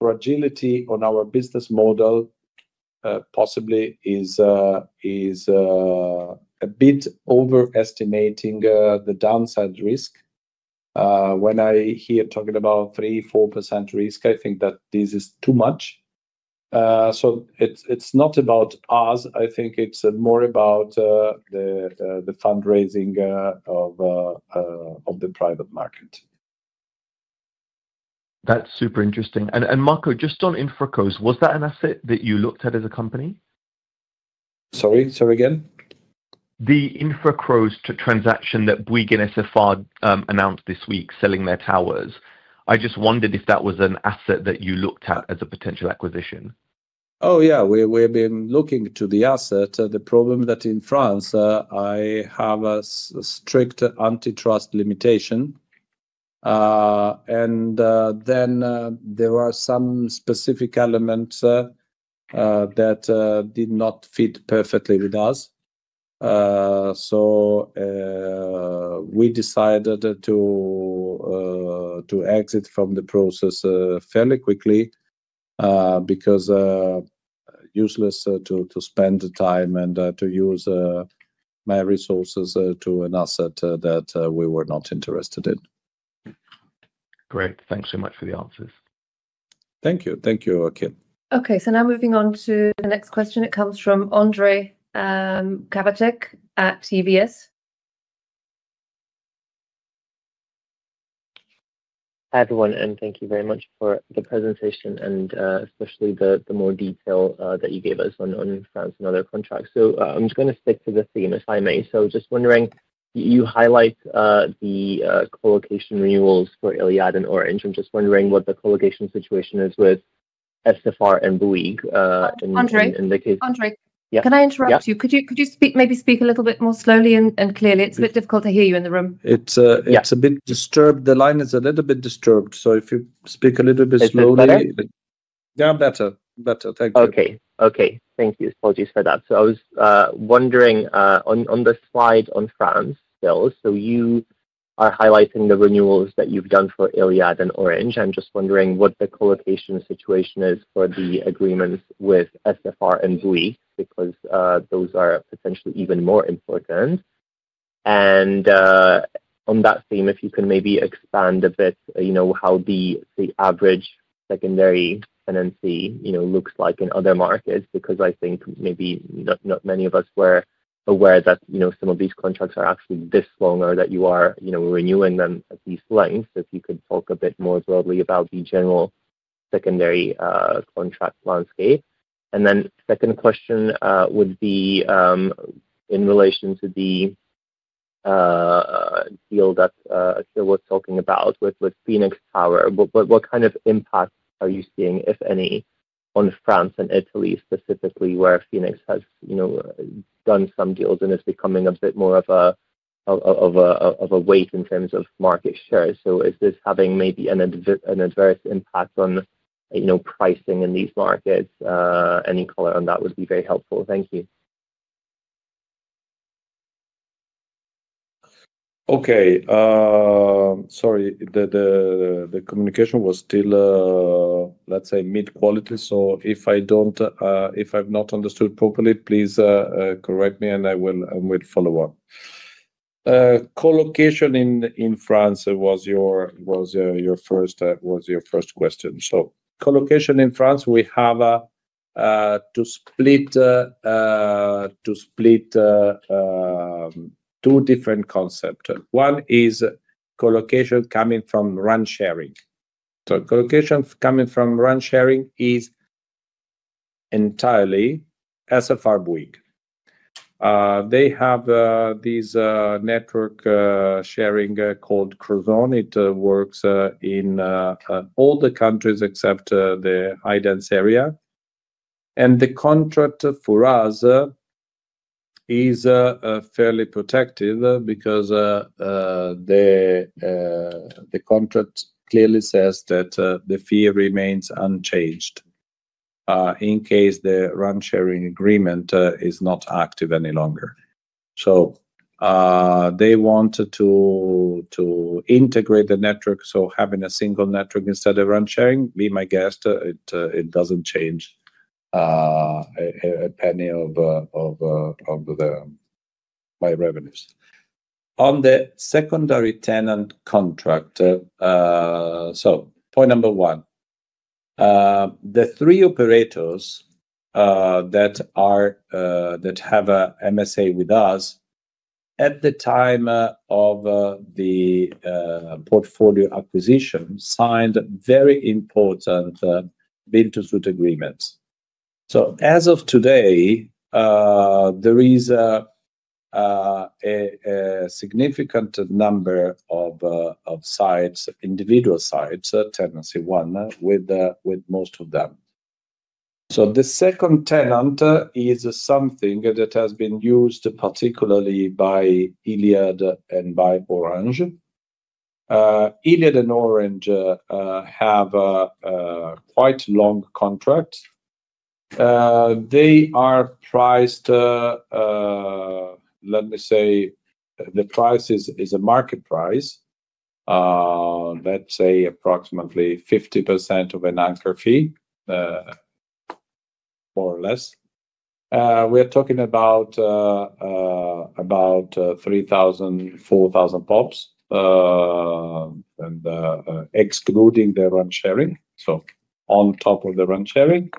Speaker 3: fragility on our business model possibly is a bit overestimating the downside risk. When I hear talking about 3, 4% risk, I think that this is too much. It is not about us. I think it is more about the fundraising of the private market. That's super interesting. Marco, just on Infracos, was that an asset that you looked at as a company? Sorry again. The Infracos transaction that Bouygues and SFR announced this week, selling their towers, I just wondered if that was an asset that you looked at as a potential acquisition. Oh, yeah, we've been looking to the asset. The problem is that in France I have a strict antitrust limitation, and then there are some specific elements that did not fit perfectly with us. We decided to exit from the process fairly quickly because it was useless to spend the time and to use my resources to an asset that we were not interested in. Great. Thanks so much for the answers. Thank you. Thank you, Kim.
Speaker 2: Okay, so now moving on to the next question, it comes from Andre Kabatek at EVS. Hi everyone, and thank you very much for the presentation and especially the more details that you gave us on France and other contracts. I'm just going to stick to the theme, if I may. You highlight the collocation renewals for Iliad and Orange. I'm just wondering what the collocation situation is with SFR and Bouygues Telecom. Andre, can I interrupt you? Could you maybe speak a little bit more slowly and clearly? It's a bit difficult to hear you in the room.
Speaker 3: The line is a little bit disturbed. If you speak a little bit slowly, yeah, better. Better than. Okay, thank you. Apologies for that. I was wondering on the slide on France still, you are highlighting the renewals that you've done for Iliad and Orange. I'm just wondering what the collocation situation is for the agreements with SFR and Bouygues Telecom, because those are potentially even more important. On that theme, if you can maybe expand a bit, how the average secondary tenancy looks like in other markets. I think maybe not many of us were aware that some of these contracts are actually this long or that you are renewing them at these lengths. If you could talk a bit more broadly about the general secondary contract landscape. The second question would be in relation to the deal that Akhil was talking about with Phoenix Power. What kind of impact are you seeing, if any, on France and Italy specifically where Phoenix has done some deals and it's becoming a bit more of a weight in terms of market share. Is this having maybe an adverse impact on pricing in these markets? Any color on that would be very helpful, thank you. Okay, sorry, the communication was still, let's say, mid quality. If I've not understood properly, please correct me and I will follow up. Colocation in France was your first question. Colocation in France, we have to.
Speaker 4: Split.
Speaker 3: Two different concepts. One is collocation coming from RAN sharing. Collocation coming from RAN sharing is entirely SFR-Bouygues Telecom. They have this network sharing called Crozon. It works in all the countries except the high dense area. The contract for us is fairly protective because the contract clearly says that the fee remains unchanged in case the RAN sharing agreement is not active any longer. They want to integrate the network. Having a single network instead of RAN sharing, be my guest, it doesn't change a penny of my revenues on the secondary tenant contract. Point number one, the three operators that have Master Service Agreements with us at the time of the portfolio acquisition signed very important build-to-suit agreements. As of today there is.
Speaker 4: A.
Speaker 3: Significant number of sites, individual sites tendency one with most of them. The second tenant is something that has been used particularly by Iliad and by Orange. Iliad and Orange have quite long contract. They are priced, let me say the price is a market price, let's say approximately 50% of an anchor fee, more or less. We are talking about 3,000, 4,000 PoPs and excluding the RAN sharing. On top of the RAN sharing,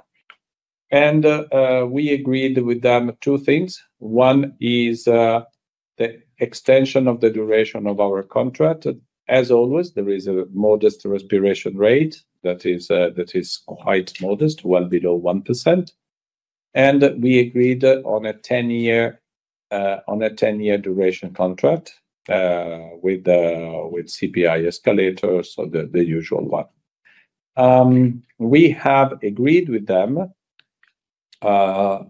Speaker 3: we agreed with them two things. One is the extension of the duration of our contract. As always, there is a modest respiration rate that is quite modest, well below 1%, and we agreed on a 10-year duration contract with CPI escalators or the usual one we have agreed with them.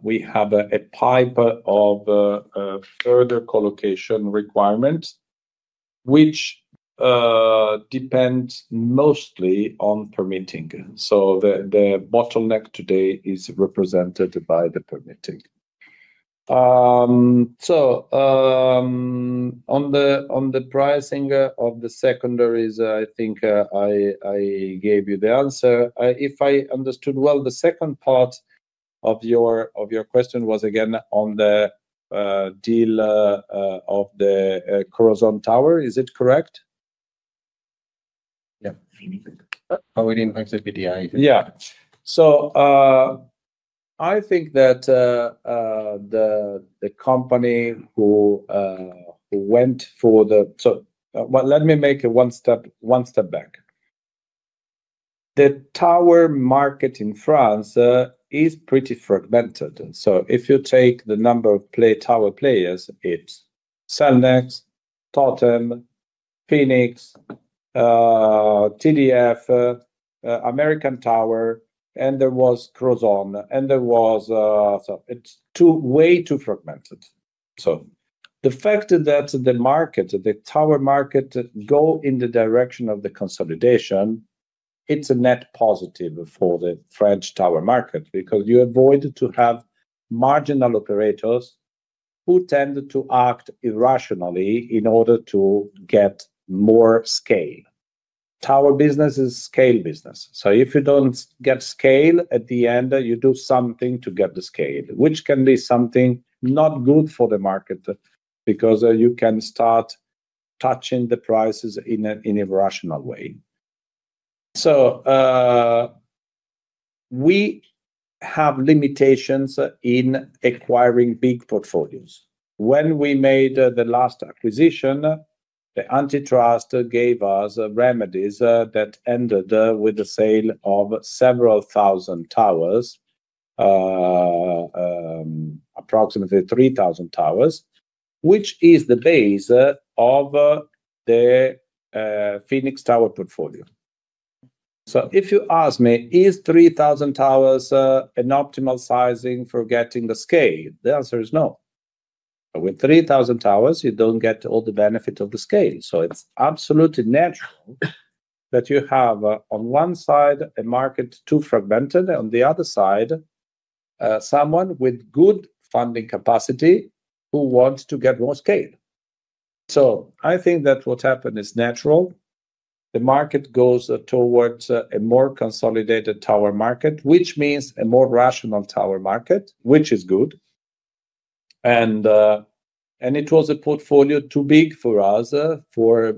Speaker 3: We have a pipe of further colocation requirements which depend mostly on permitting. The bottleneck today is represented by the permission. On the pricing of the secondaries, I think I gave you the answer if I understood. The second part of your question was again on the deal of the Corazon Tower, is it correct?
Speaker 4: Yeah. Oh, we didn't like the BDI.
Speaker 3: Yeah. I think that the company who went for the—let me make one step back. The tower market in France is pretty fragmented. If you take the number of tower players, it's Cellnex, Totem, Phoenix, TDF, American Tower, and there was Crozon. It's way too fragmented. The fact that the tower market goes in the direction of consolidation is a net positive for the French tower market because you avoid having marginal operators who tend to act irrationally in order to get more scale. Tower business is a scale business. If you don't get scale at the end, you do something to get the scale, which can be something not good for the market because you can start touching the prices in an irrational way.
Speaker 4: So.
Speaker 3: We have limitations in acquiring big portfolios. When we made the last acquisition, the antitrust gave us remedies that ended with the sale of several thousand towers, approximately 3,000 towers, which is the base of the Phoenix Tower portfolio. If you ask me, is 3,000 towers an optimal sizing for getting the scale? The answer is no. With 3,000 towers, you don't get all the benefit of the scale. It's absolutely natural that you have on one side a market too fragmented, on the other side someone with good funding capacity who wants to get more scale. I think that what happened is natural. The market goes towards a more consolidated tower market, which means a more rational tower market, which is good. It was a portfolio too big for us for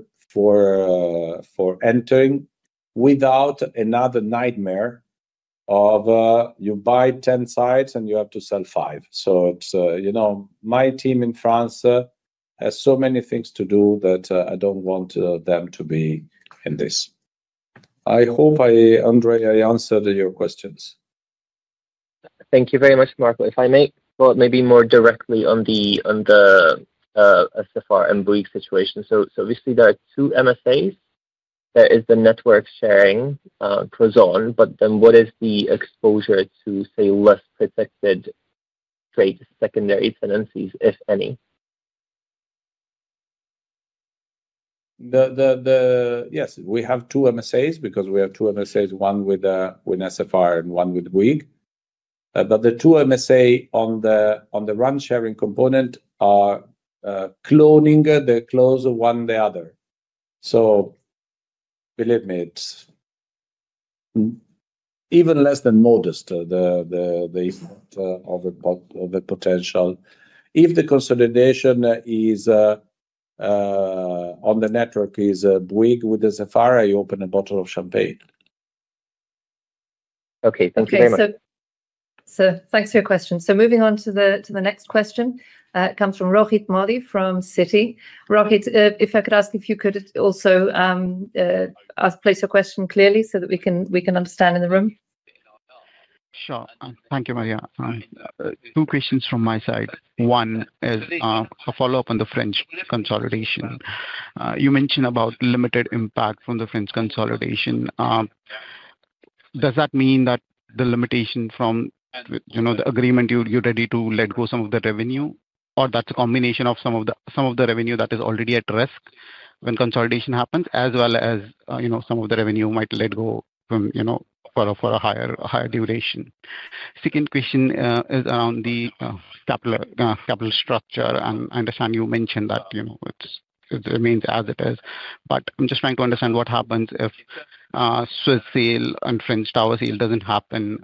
Speaker 3: entering without another nightmare of you buy 10 sites and you have to sell five. My team in France has so many things to do that I don't want them to be in this. I hope I, Andre, I answered your questions. Thank you very much. Marco, if I may, maybe more directly on the SFR and Bouygues Telecom situation. Obviously, there are two MSAs, there is the network sharing prozone, but then what is the exposure to, say, less protected trade secondary tenancies, if any? Yes, we have two MSAs, because we have two MSAs, one with SFR and one with WIG. The two MSAs on the RAN sharing component are cloning the close of one the other. Believe me, it's even less than modest of a potential. If the consolidation is on, the network is big with the SFR. You open a bottle of champagne. Okay, thank you very much.
Speaker 2: Thank you for your question. Moving on to the next question, it comes from Rohit Modi from Citi. Rohit, if I could ask, if you could also place your question clearly so that we can understand in the room. Sure. Thank you. Maria, two questions from my side. One is a follow-up on the French consolidation. You mentioned about limited impact from the French consolidation. Does that mean that the limitation from, you know, the agreement, you're ready to let go some of the revenue or that's a combination of some of the revenue that is already at risk when consolidation happens as well as, you know, some of the revenue might let go from, you know, for a higher duration. Second question is around the capital structure. I understand you mentioned that, you know, it remains as it is. I'm just trying to understand what happens if Swiss sale and French tower sale doesn't happen.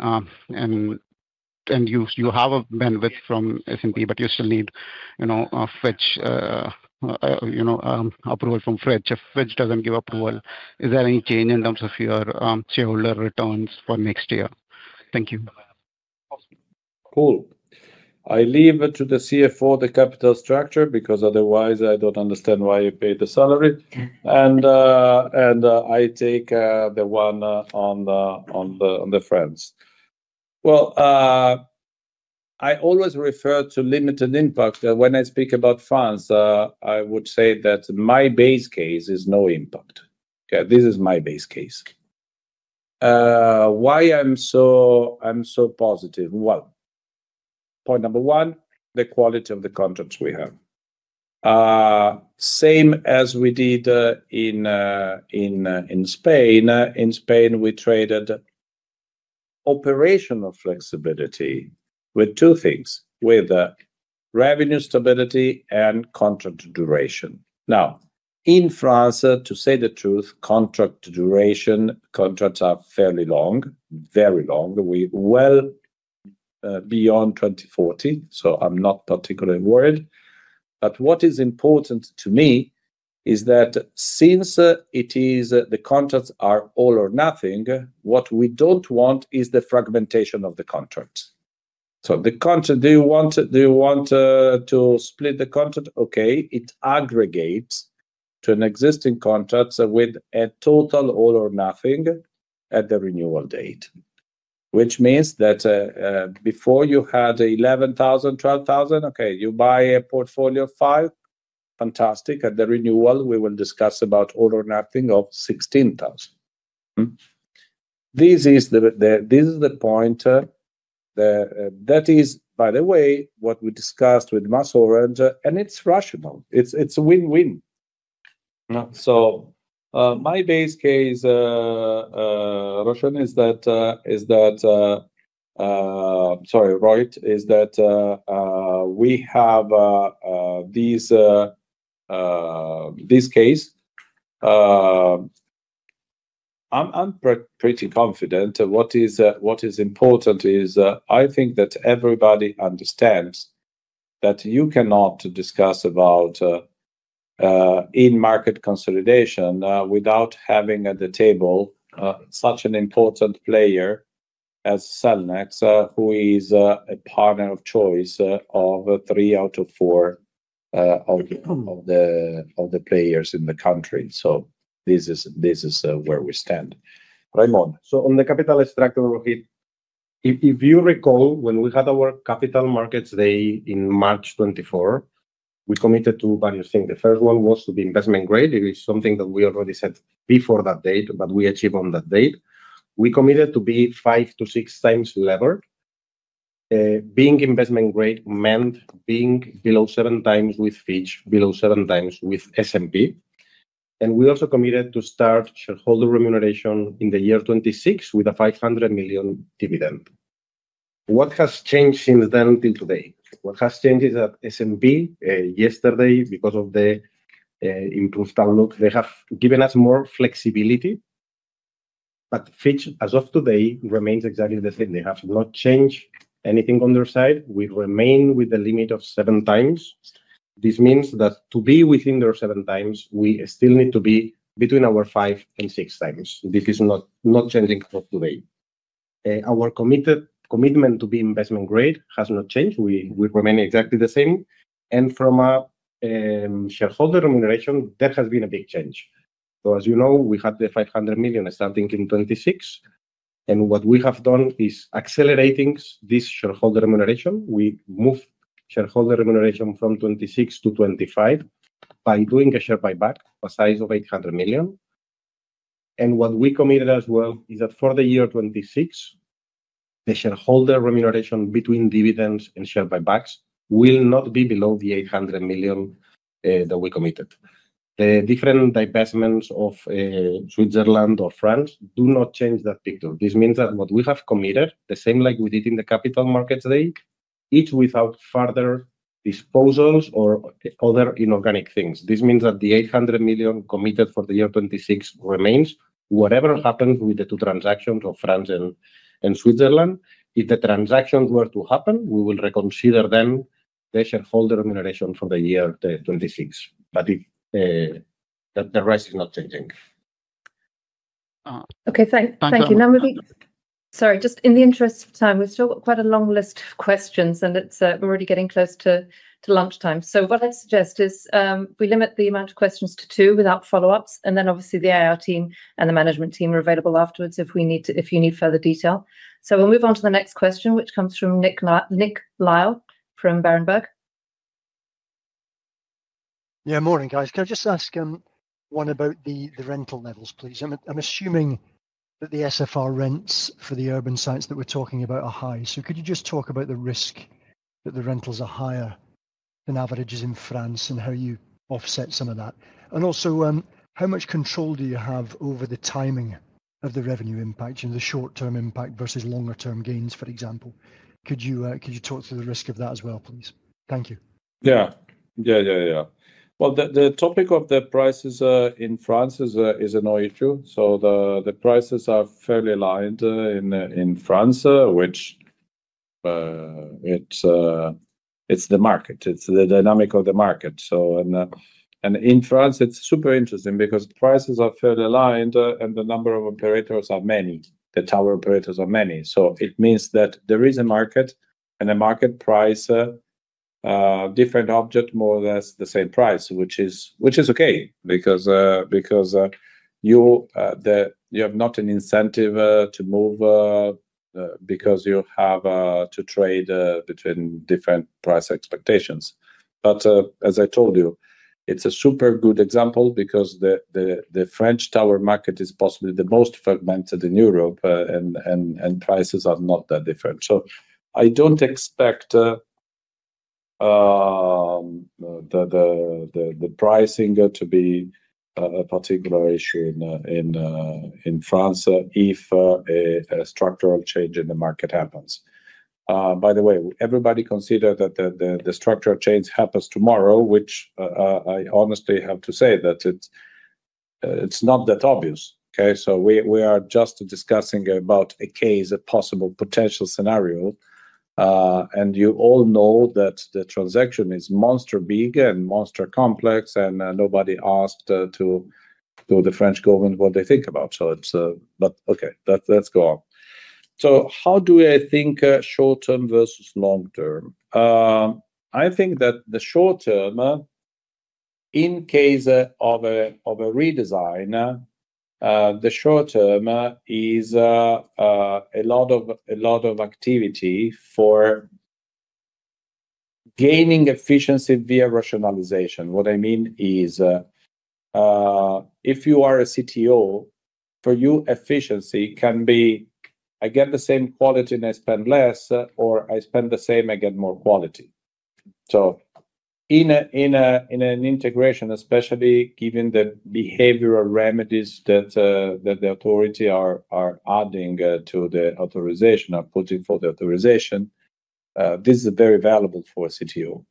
Speaker 2: You have a bandwidth from S&P but you still need approval from Fitch. If Fitch doesn't give approval, is there any change in terms of your shareholder returns for next year? Thank you. Cool.
Speaker 3: I leave it to the CFO, the capital structure. Because otherwise I don't understand why you paid the salary and I take the one on the France. I always refer to limited impact when I speak about France. I would say that my base case is no impact. This is my base case. Why I'm so positive? Point number one, the quality of the contracts we have, same as we did in Spain. In Spain, we traded operational flexibility with two things: with revenue stability and contract duration. In France, to say the truth, contract duration contracts are fairly long, very long. We are well beyond 2040. I'm not particularly worried. What is important to me is that since the contracts are all-or-nothing, what we don't want is the fragmentation of the contract. Do you want to split the contract? It aggregates to an existing contract with a total all-or-nothing at the renewal date, which means that before you had 11,000, 12,000. You buy a portfolio. Portfolio five. Fantastic. At the renewal, we will discuss about all-or-nothing of 16,000. This is the point. That is, by the way, what we discussed with MasOrange. It's rational. It's a win-win. My base case, Roshan, is that. Sorry, right, is that we have these. This case. I'm pretty confident. What is important is I think that everybody understands that you cannot discuss about in-market consolidation without having at the table such an important player as Cellnex, who is a partner of choice of 3 out of 4 of the players in the country. This is where we stand, Raimon.
Speaker 4: On the capital structure, Rohit, if you recall when we had our Capital Markets Day in March 2024, we committed to various things. The first one was to be investment grade. It is something that we already said before that date, but we achieved on that date. We committed to be five to six times leverage. Being investment grade meant being below seven times with Fitch, below seven times with S&P. We also committed to start shareholder remuneration in the year 2026 with a €500 million dividend. What has changed since then till today? What has changed is that S&P, yesterday, because of the improved outlook, have given us more flexibility. Fitch as of today remains exactly the same. They have not changed anything on their side. We remain with the limit of seven times. This means that to be within their seven times, we still need to be between our five and six times. This is not changing today. Our commitment to be investment grade has not changed. We remain exactly the same. From a shareholder remuneration, that has been a big change. As you know, we had the €500 million starting in 2026. What we have done is accelerating this shareholder remuneration. We move shareholder remuneration from 2026 to 2025 by doing a share buyback a size of €800 million. What we committed as well is that for the year 2026, the shareholder remuneration between dividends and share buybacks will not be below the €800 million that we committed. The different divestments of Switzerland or France do not change that picture. This means that what we have committed is the same like we did in the Capital Markets Day, each without further disposals or other inorganic things. The €800 million committed for the year 2026 remains whatever happens with the two transactions of France and Switzerland. If the transactions were to happen, we will reconsider the shareholder remuneration for the year 2026, but the rest is not changing.
Speaker 2: Okay, thanks. Thank you. In the interest of time, we've still got quite a long list of questions and it's already getting close to lunchtime. What I'd suggest is we limit the amount of questions to two without follow ups. The IR team and the management team are available afterwards if you need to. If you need further detail. We'll move on to the next question, which comes from Nicholas George Lyall from Berenberg. Yeah. Morning, guys. Can I just ask one about the rental levels, please? I'm assuming that the SFR rents for the urban sites that we're talking about are high. Could you just talk about the risk that the rentals are higher than averages in France and how you offset some of that, and also how much control do you have over the timing of the revenue impact, you know, the short term impact versus longer term gains, for example. Could you talk through the risk of that as well, please? Thank you.
Speaker 3: The topic of the prices in France is a no issue. The prices are fairly aligned in France, which is the market, it's the dynamic of the market. In France it's super interesting because prices are further aligned and the number of operators are many, the tower operators are many. It means that there is a market and a market price, different object, more or less the same price, which is okay because you have not an incentive to move because you have to trade between different price expectations. As I told you, it's a super good example because the French tower market is possibly the most fragmented in Europe and prices are not that different. I don't expect the pricing to be a particular issue in France if a structural change in the market happens. By the way, everybody considered that the structure change happens tomorrow, which I honestly have to say that it's not that obvious. We are just discussing about a case, a possible potential scenario and you all know that the transaction is monster big and monster complex and nobody asked the French government what they think about. It's. Let's go on. How do I think short term versus long term? I think that the short term, in case of a redesign, the short term.
Speaker 4: Is.
Speaker 3: A lot of activity for gaining efficiency via rationalization. What I mean is if you are a CTO, for you efficiency can be I get the same quality and I spend less or I spend the same, I get more quality. In an integration, especially given the behavioral remedies that the authority are adding to the authorization, are putting for the authorization, this is very valuable to a CTO.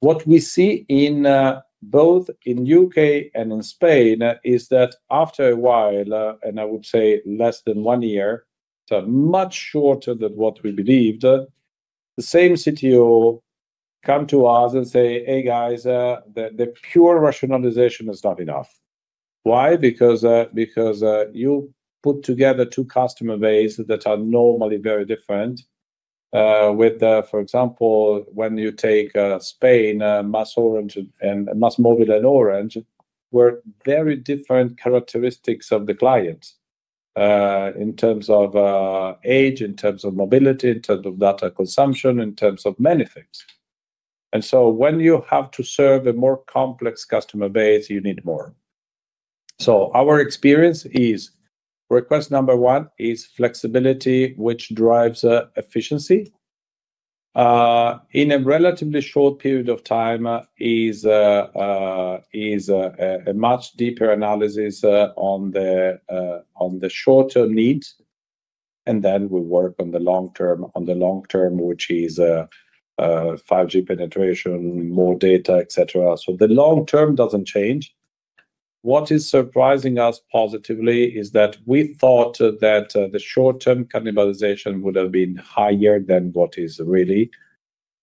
Speaker 3: What we see in both the UK and in Spain is that after a while, and I would say less than one year, so much shorter than what we believed, the same CTO comes to us and says, hey guys, the pure rationalization is not enough. Why? Because you put together two customer bases that are normally very different. For example, when you take Spain, MasOrange and MasMovil and Orange were very different characteristics of the clients in terms of age, in terms of mobility, in terms of data consumption, in terms of many things. When you have to serve a more complex customer base, you need more. Our experience is request number one is flexibility, which drives efficiency in a relatively short period of time. It is a much deeper analysis on the short-term needs. Then we work on the long term, which is 5G penetration, more data, etc. The long term doesn't change. What is surprising us positively is that we thought that the short-term cannibalization would have been higher than what it really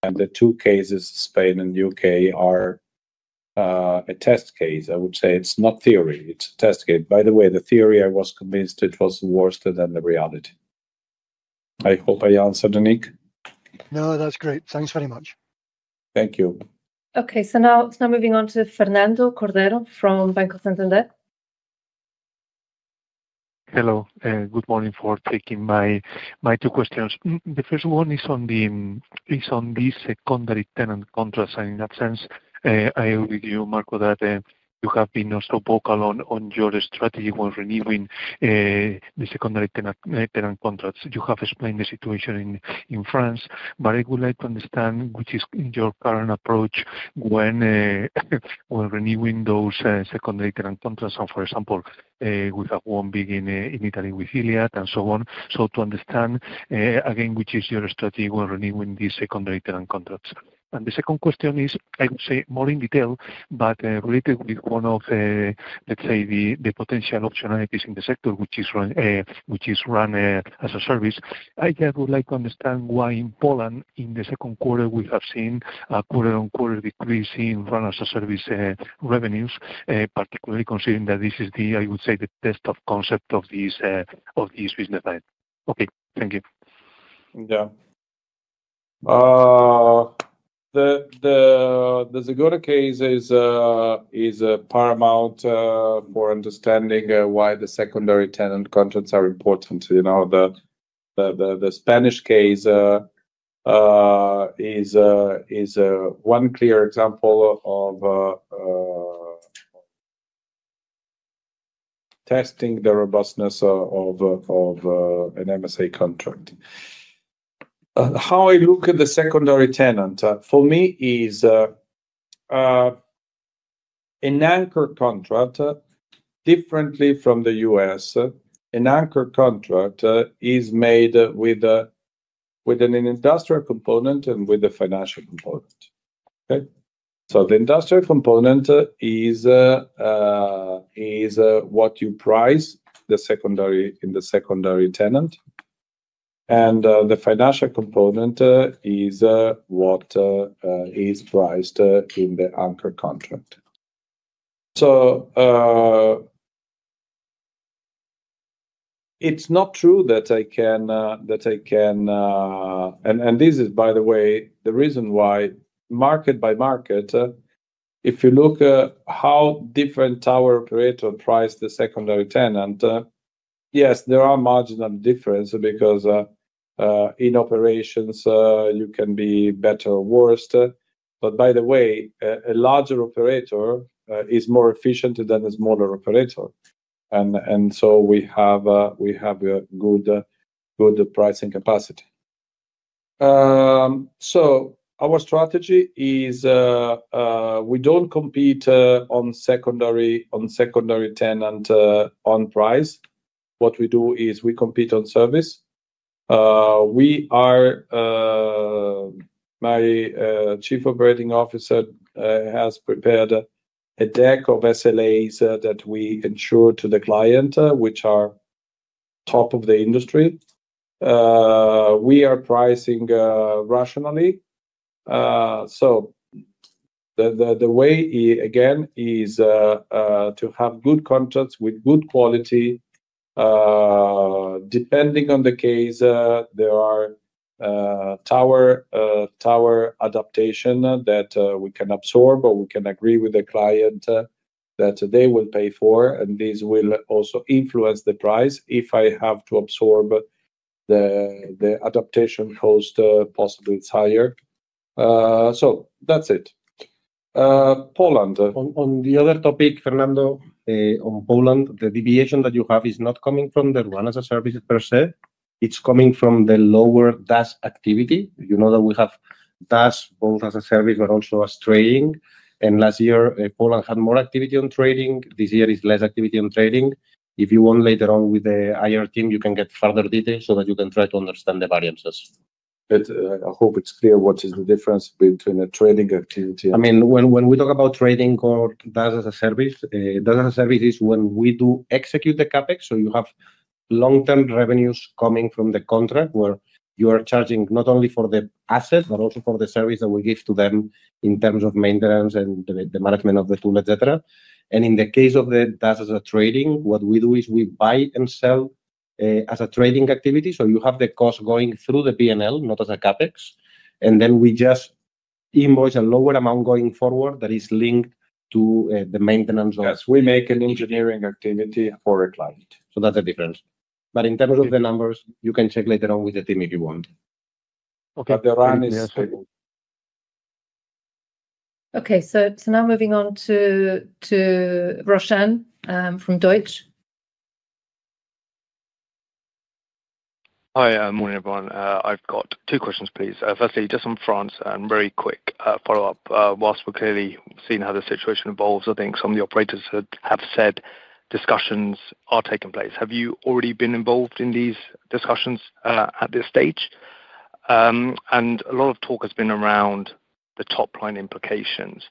Speaker 3: is. The two cases, Spain and UK, are a test case. I would say it's not theory, it's a test case. By the way, the theory, I was convinced it was worse than the reality. I hope I answered Nick. No, that's great. Thanks very much. Thank you.
Speaker 2: Okay, so now moving on to Fernando Cordero from Santander. Hello. Good morning. Thank you for taking my two questions. The first one is on the secondary tenant contracts. In that sense, I agree with you, Marco, that you have been so vocal on your strategy when renewing the secondary tenant contracts. You have explained the situation in France, but I would like to understand what is your current approach, renewing those secondary tenant contracts. For example, we have one big in Italy with Iliad and so on. I want to understand again, what is your strategy when renewing these secondary tenant contracts. The second question is, I would say, more in detail, but related with one of, let's say, the potential optionalities in the sector, which is RAN as a service. I would like to understand why in Poland in the second quarter, we have seen a quarter-on-quarter decrease in RAN as a service revenues, particularly considering that this is, I would say, the test of concept of this business line. Okay, thank you.
Speaker 3: Yeah. The Zegoda case is paramount for understanding why the secondary tenant contracts are important. You know, the Spanish case is one clear example of testing the robustness of an MSA contract. How I look at the secondary tenant, for me, is an anchor contract. Differently from the U.S., an anchor contract is made with an industrial component and with a financial component. Okay, so the industrial component is what you price in the secondary tenant and the financial component is what is priced in the anchor contract. It's not true that I can, and this is, by the way, the reason why, market by market, if you look at how different tower operators price the secondary tenant, yes, there are marginal differences because in operations you can be better or worse. By the way, a larger operator is more efficient than a smaller operator, and so we have a good pricing capacity. Our strategy is we don't compete on secondary tenant on price. What we do is we compete on service. My Chief Operating Officer has prepared a deck of SLAs that we insure to the client, which are top of the industry. We are pricing rationally. The way, again, is to have good contracts with good quality. Depending on the case, there are tower adaptations that we can absorb or we can agree with the client that they will pay for, and this will also influence the price. If I have to absorb the adaptation cost, possibly it's higher. That's it.
Speaker 4: Poland, on the other topic, Fernando, on Poland, the deviation that you have is not coming from the RAN as a service per se, it's coming from the lower DAS activity. You know that we have DAS both as a service but also as trading, and last year Poland had more activity on trading. This year is less activity on trading. If you want, later on with the IR team, you can get further details so that you can try to understand the variances.
Speaker 3: I hope it's clear what is the difference between a trading activity.
Speaker 4: When we talk about trading or DAS as a service, as a service is when we do execute the CapEx. You have long-term revenues coming from the contract where you are charging not only for the asset but also for the service that we give to them in terms of maintenance and the management of the tool, etc. In the case of the DAS as a trading, what we do is we buy and sell as a trading activity. You have the cost going through the P&L, not as a CapEx, and we just invoice a lower amount going forward that is linked to the maintenance.
Speaker 3: Yes, we make an engineering activity for.
Speaker 4: A client, so that's the difference. In terms of the numbers, you can check later on with the team if you want.
Speaker 3: Okay, the run is.
Speaker 2: Okay. Now moving on to Roshan from Deutsche Bank.
Speaker 3: Hi, morning everyone. I've got two questions please. Firstly, just from France and very quick follow up. Whilst we're clearly seeing how the situation evolves, I think some of the operators have said discussions are taking place. Have you already been involved in these discussions at this stage? A lot of talk has been around the top line implications.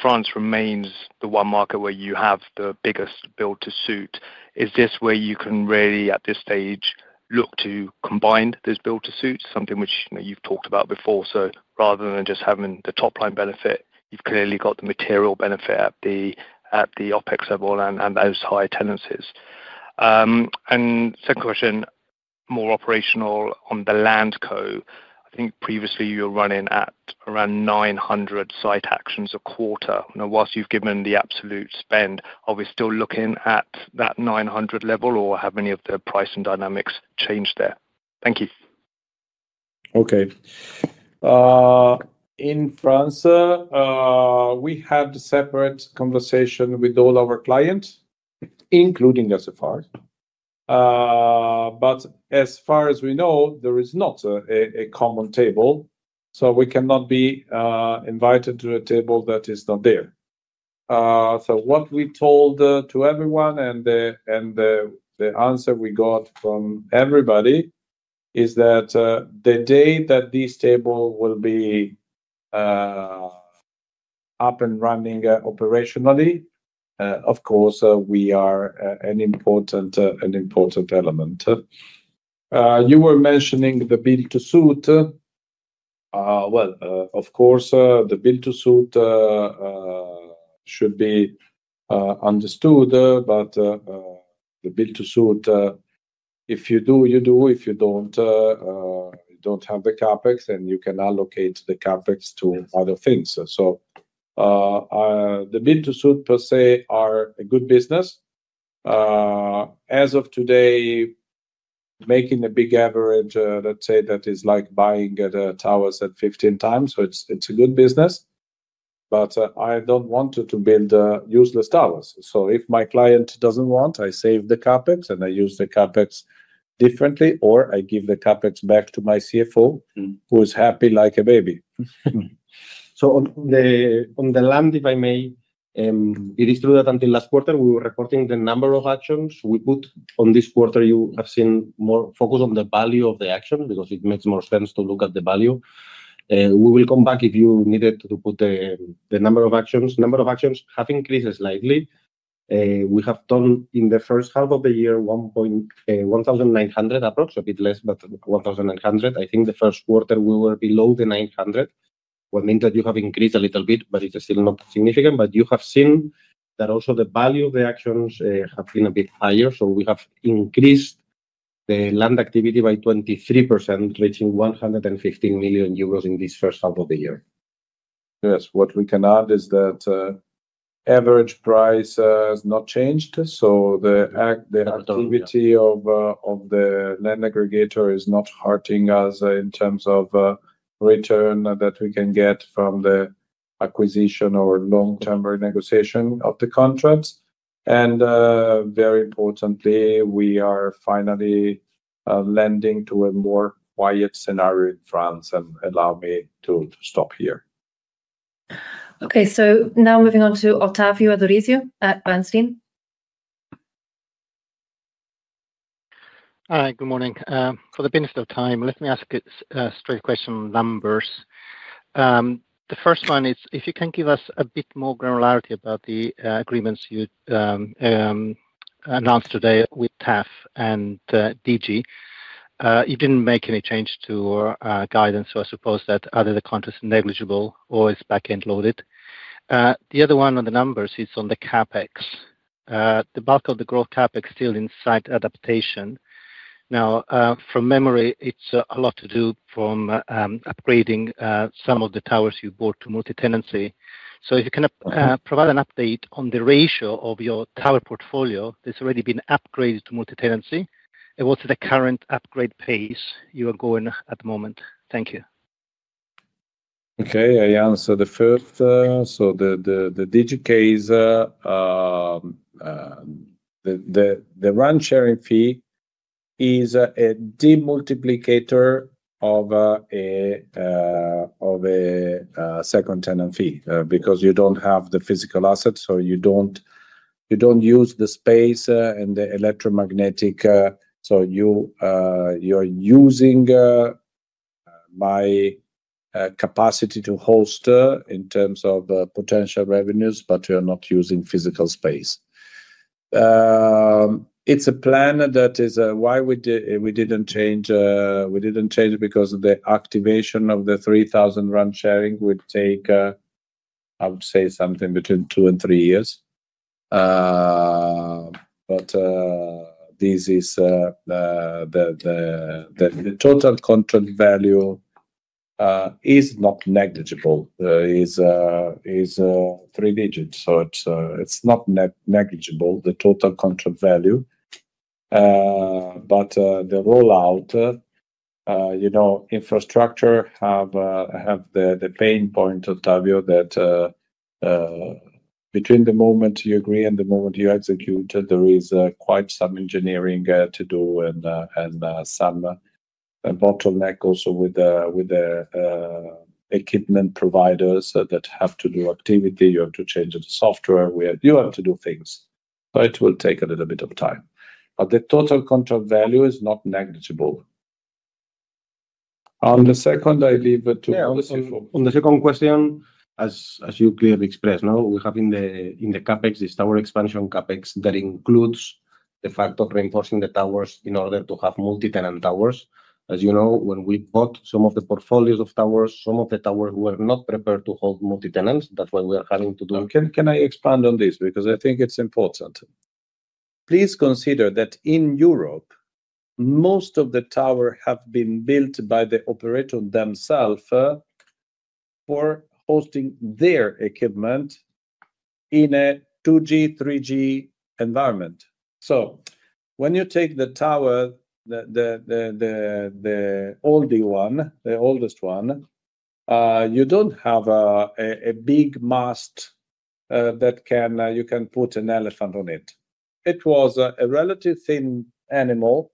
Speaker 3: France remains the one market where you have the biggest build to suit. Is this where you can really at this stage look to combine this build to suit, something which you've talked about before? Rather than just having the top line benefit, you've clearly got the material benefit at the OpEx level and those high tenancies. Second question, more operational on the Landco. I think previously you were running at around 900 site actions a quarter. Now, whilst you've given the absolute spend, are we still looking at that 900 level or have any of the pricing dynamics changed there? Thank you. Okay. In France, we had a separate conversation with all our clients, including SFR. As far as we know, there is not a common table, so we cannot be invited to a table that is not there. What we told to everyone and the answer we got from everybody is that the day that this table will.
Speaker 4: Be.
Speaker 3: Up and running operationally, of course, we are an important, an important element. You were mentioning the build to suit. Of course, the build to suit should be understood, but the build to suit, if you do, you do. If you don't, don't have the CapEx and you can allocate the CapEx to other things. The build to suit per se are a good business as of today. Making a big average, let's say that is like buying at a tower set 15 times. It's a good business. I don't want to build useless towers. If my client doesn't want, I save the CapEx and I use the CapEx differently or I give the CapEx back to my CFO who is happy like a baby.
Speaker 4: On the land, if I may, it is true that until last quarter we were reporting the number of actions we put on. This quarter, you have seen more focus on the value of the action, because it makes more sense to look at the value. We will come back if you need to put the number of actions. Number of actions have increased slightly. We have done in the first half of the year 1,900, approximately a bit less, but 1,900. I think the first quarter we were below the 900, which meant that you have increased a little bit, but it's still not significant. You have seen that also the value of the actions have been a bit higher. We have increased the land activity by 23%, reaching €115 million in this first half of the year.
Speaker 3: Yes. What we can add is that average price has not changed. The activity of the land aggregator is not hurting us in terms of return that we can get from the acquisition or long-term renegotiation of the contracts. Very importantly, we are finally lending to a more quiet scenario in France, and allow me to stop here.
Speaker 2: Okay, so now moving on to Ottavio Adorisio at Bernstein. Hi, good morning. For the benefit of time, let me ask straight question numbers. The first one is if you can give us a bit more granularity about the agreements you announced today. With Taft and Digi you didn't make any change to guidance. I suppose that either the contract is negligible or is back end loaded. The other one on the numbers is on the CapEx. The bulk of the growth CapEx still inside adaptation now from memory. It's a lot to do from upgrading some of the towers you bought to multi tenancy. If you can provide an update on the ratio of your tower portfolio that's already been upgraded to multi tenancy and what's the current upgrade pace you are going at the moment. Thank you.
Speaker 3: Okay, I answered the first. So the Digi case, the RAN sharing fee is a demultiplicator of a second tenant fee because you don't have the physical assets or you don't have, you don't use the space and the electromagnetic, so you're using my capacity to holster in terms of potential revenues, but you are not using physical space. It's a plan. That is why we didn't change. We didn't change because the activation of the 3,000 RAN sharing would take, I would say, something between two and three years. The total contract value is not negligible, is three digits. It's not negligible, the total contract value, but the rollout, you know, infrastructure has the pain point of, Ottavio, that between the moment you agree and the moment you execute, there is quite some engineering to do and some bottleneck. Also, with the equipment providers that have to do activity, you have to change the software, you have to do things, but it will take a little bit of time. The total contract value is not negligible. On the second, I leave it to.
Speaker 4: On the second question, as you clearly expressed, now we have in the CapEx this tower expansion CapEx that includes the fact of reinforcing the towers in order to have multi-tenant towers. As you know, when we bought some of the portfolios of towers, some of the towers were not prepared to hold multi-tenants. That's why we are having to do.
Speaker 3: Can I expand on this because I think it's important. Please consider that in Europe most of the towers have been built by the operators themselves for hosting their equipment in a 2G, 3G environment. When you take the tower.
Speaker 4: The.
Speaker 3: Oldie one, the oldest one, you don't have a big mast that you can put an elephant on it. It was a relatively thin animal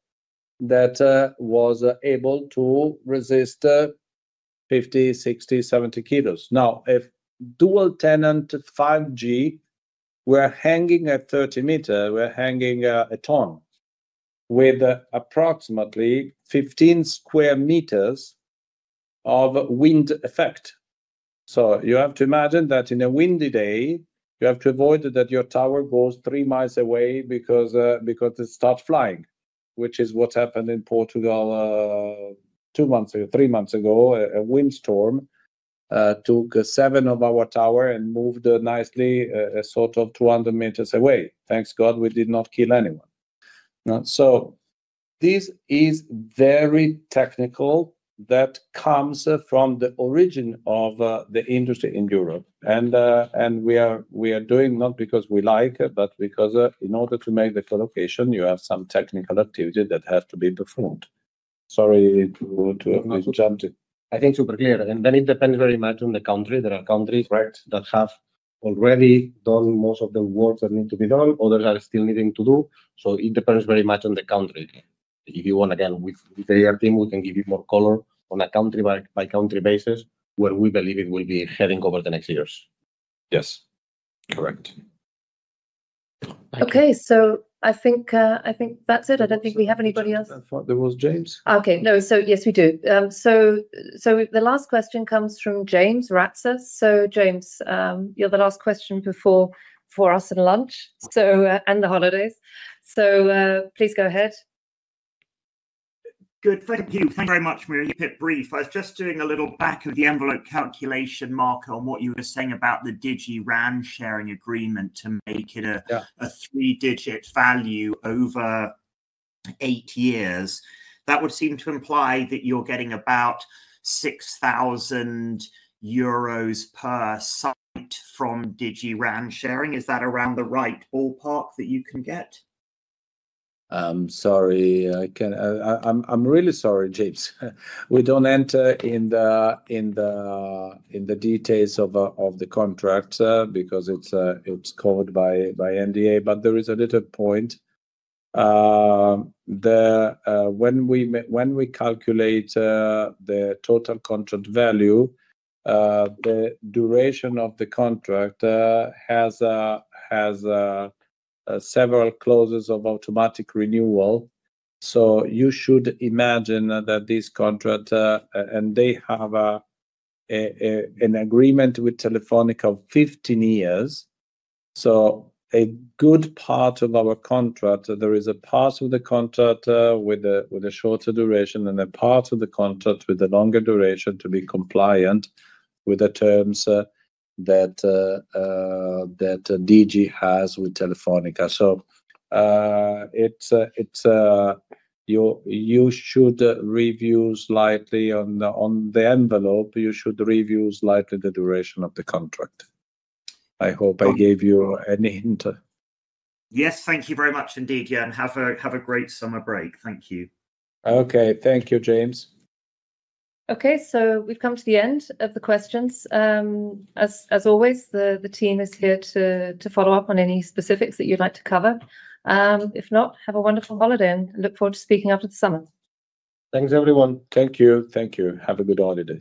Speaker 3: that was able to resist 50, 60, 70 kilos. Now if dual tenant 5G, we're hanging at 30 meters, we're hanging a ton with approximately 15 square meters of wind effect. You have to imagine that on a windy day you have to avoid that your tower goes three miles away because it starts flying, which is what happened in Portugal two months ago. Three months ago a windstorm took seven of our towers and moved nicely sort of 200 meters away. Thanks God we did not kill anyone. This is very technical. That comes from the origin of the industry in Europe. We are doing not because we like, but because in order to make the collocation, you have some technical activity that has to be performed. Sorry to jump to.
Speaker 4: I think super clear. It depends very much on the country. There are countries that have already done most of the work that needs to be done. Others are still needing to do. It depends very much on the country. If you want, again with the IR team, we can give you more color on a country-by-country basis where we believe it will be heading over the next years.
Speaker 3: Yes, correct.
Speaker 2: Okay, I think that's it. I don't think we have anybody else.
Speaker 3: I thought there was James.
Speaker 2: Okay, yes, we do. The last question comes from James Edmund Ratzer. James, you're the last question before us and lunch and the holidays. Please go ahead. Good.
Speaker 4: Thank you. Thank you very much. Maria. Keep it brief. I was just doing a little back of the envelope calculation, Mark, on what you were saying about the Digi RAN sharing agreement. To make it a three-digit value over eight years, that would seem to imply that you're getting about €6,000 per site from Digi RAN sharing. Is that around the right ballpark that you can get?
Speaker 3: I'm sorry. I'm really sorry, James. We don't enter in the details of the contract because it's covered by NDA. There is a little point when we calculate the total contract value. The duration of the contract has several clauses of automatic renewal. You should imagine that this contract and they have an agreement with Telefónica 15 years. A good part of our contract, there is a part of the contract with a shorter duration and a part of the contract with the longer duration to be compliant with the terms that Digi has with Telefónica. You should review slightly on the envelope, you should review slightly the duration of the contract. I hope I gave you any hint.
Speaker 4: Yes, thank you very much indeed, Jan. Have a great summer break. Thank you.
Speaker 3: Okay, thank you, James.
Speaker 2: Okay, so we've come to the end of the questions. As always, the team is here to follow up on any specifics that you'd like to cover. If not, have a wonderful holiday and look forward to speaking after the summer.
Speaker 4: Thanks, everyone.
Speaker 3: Thank you. Thank you. Have a good holiday.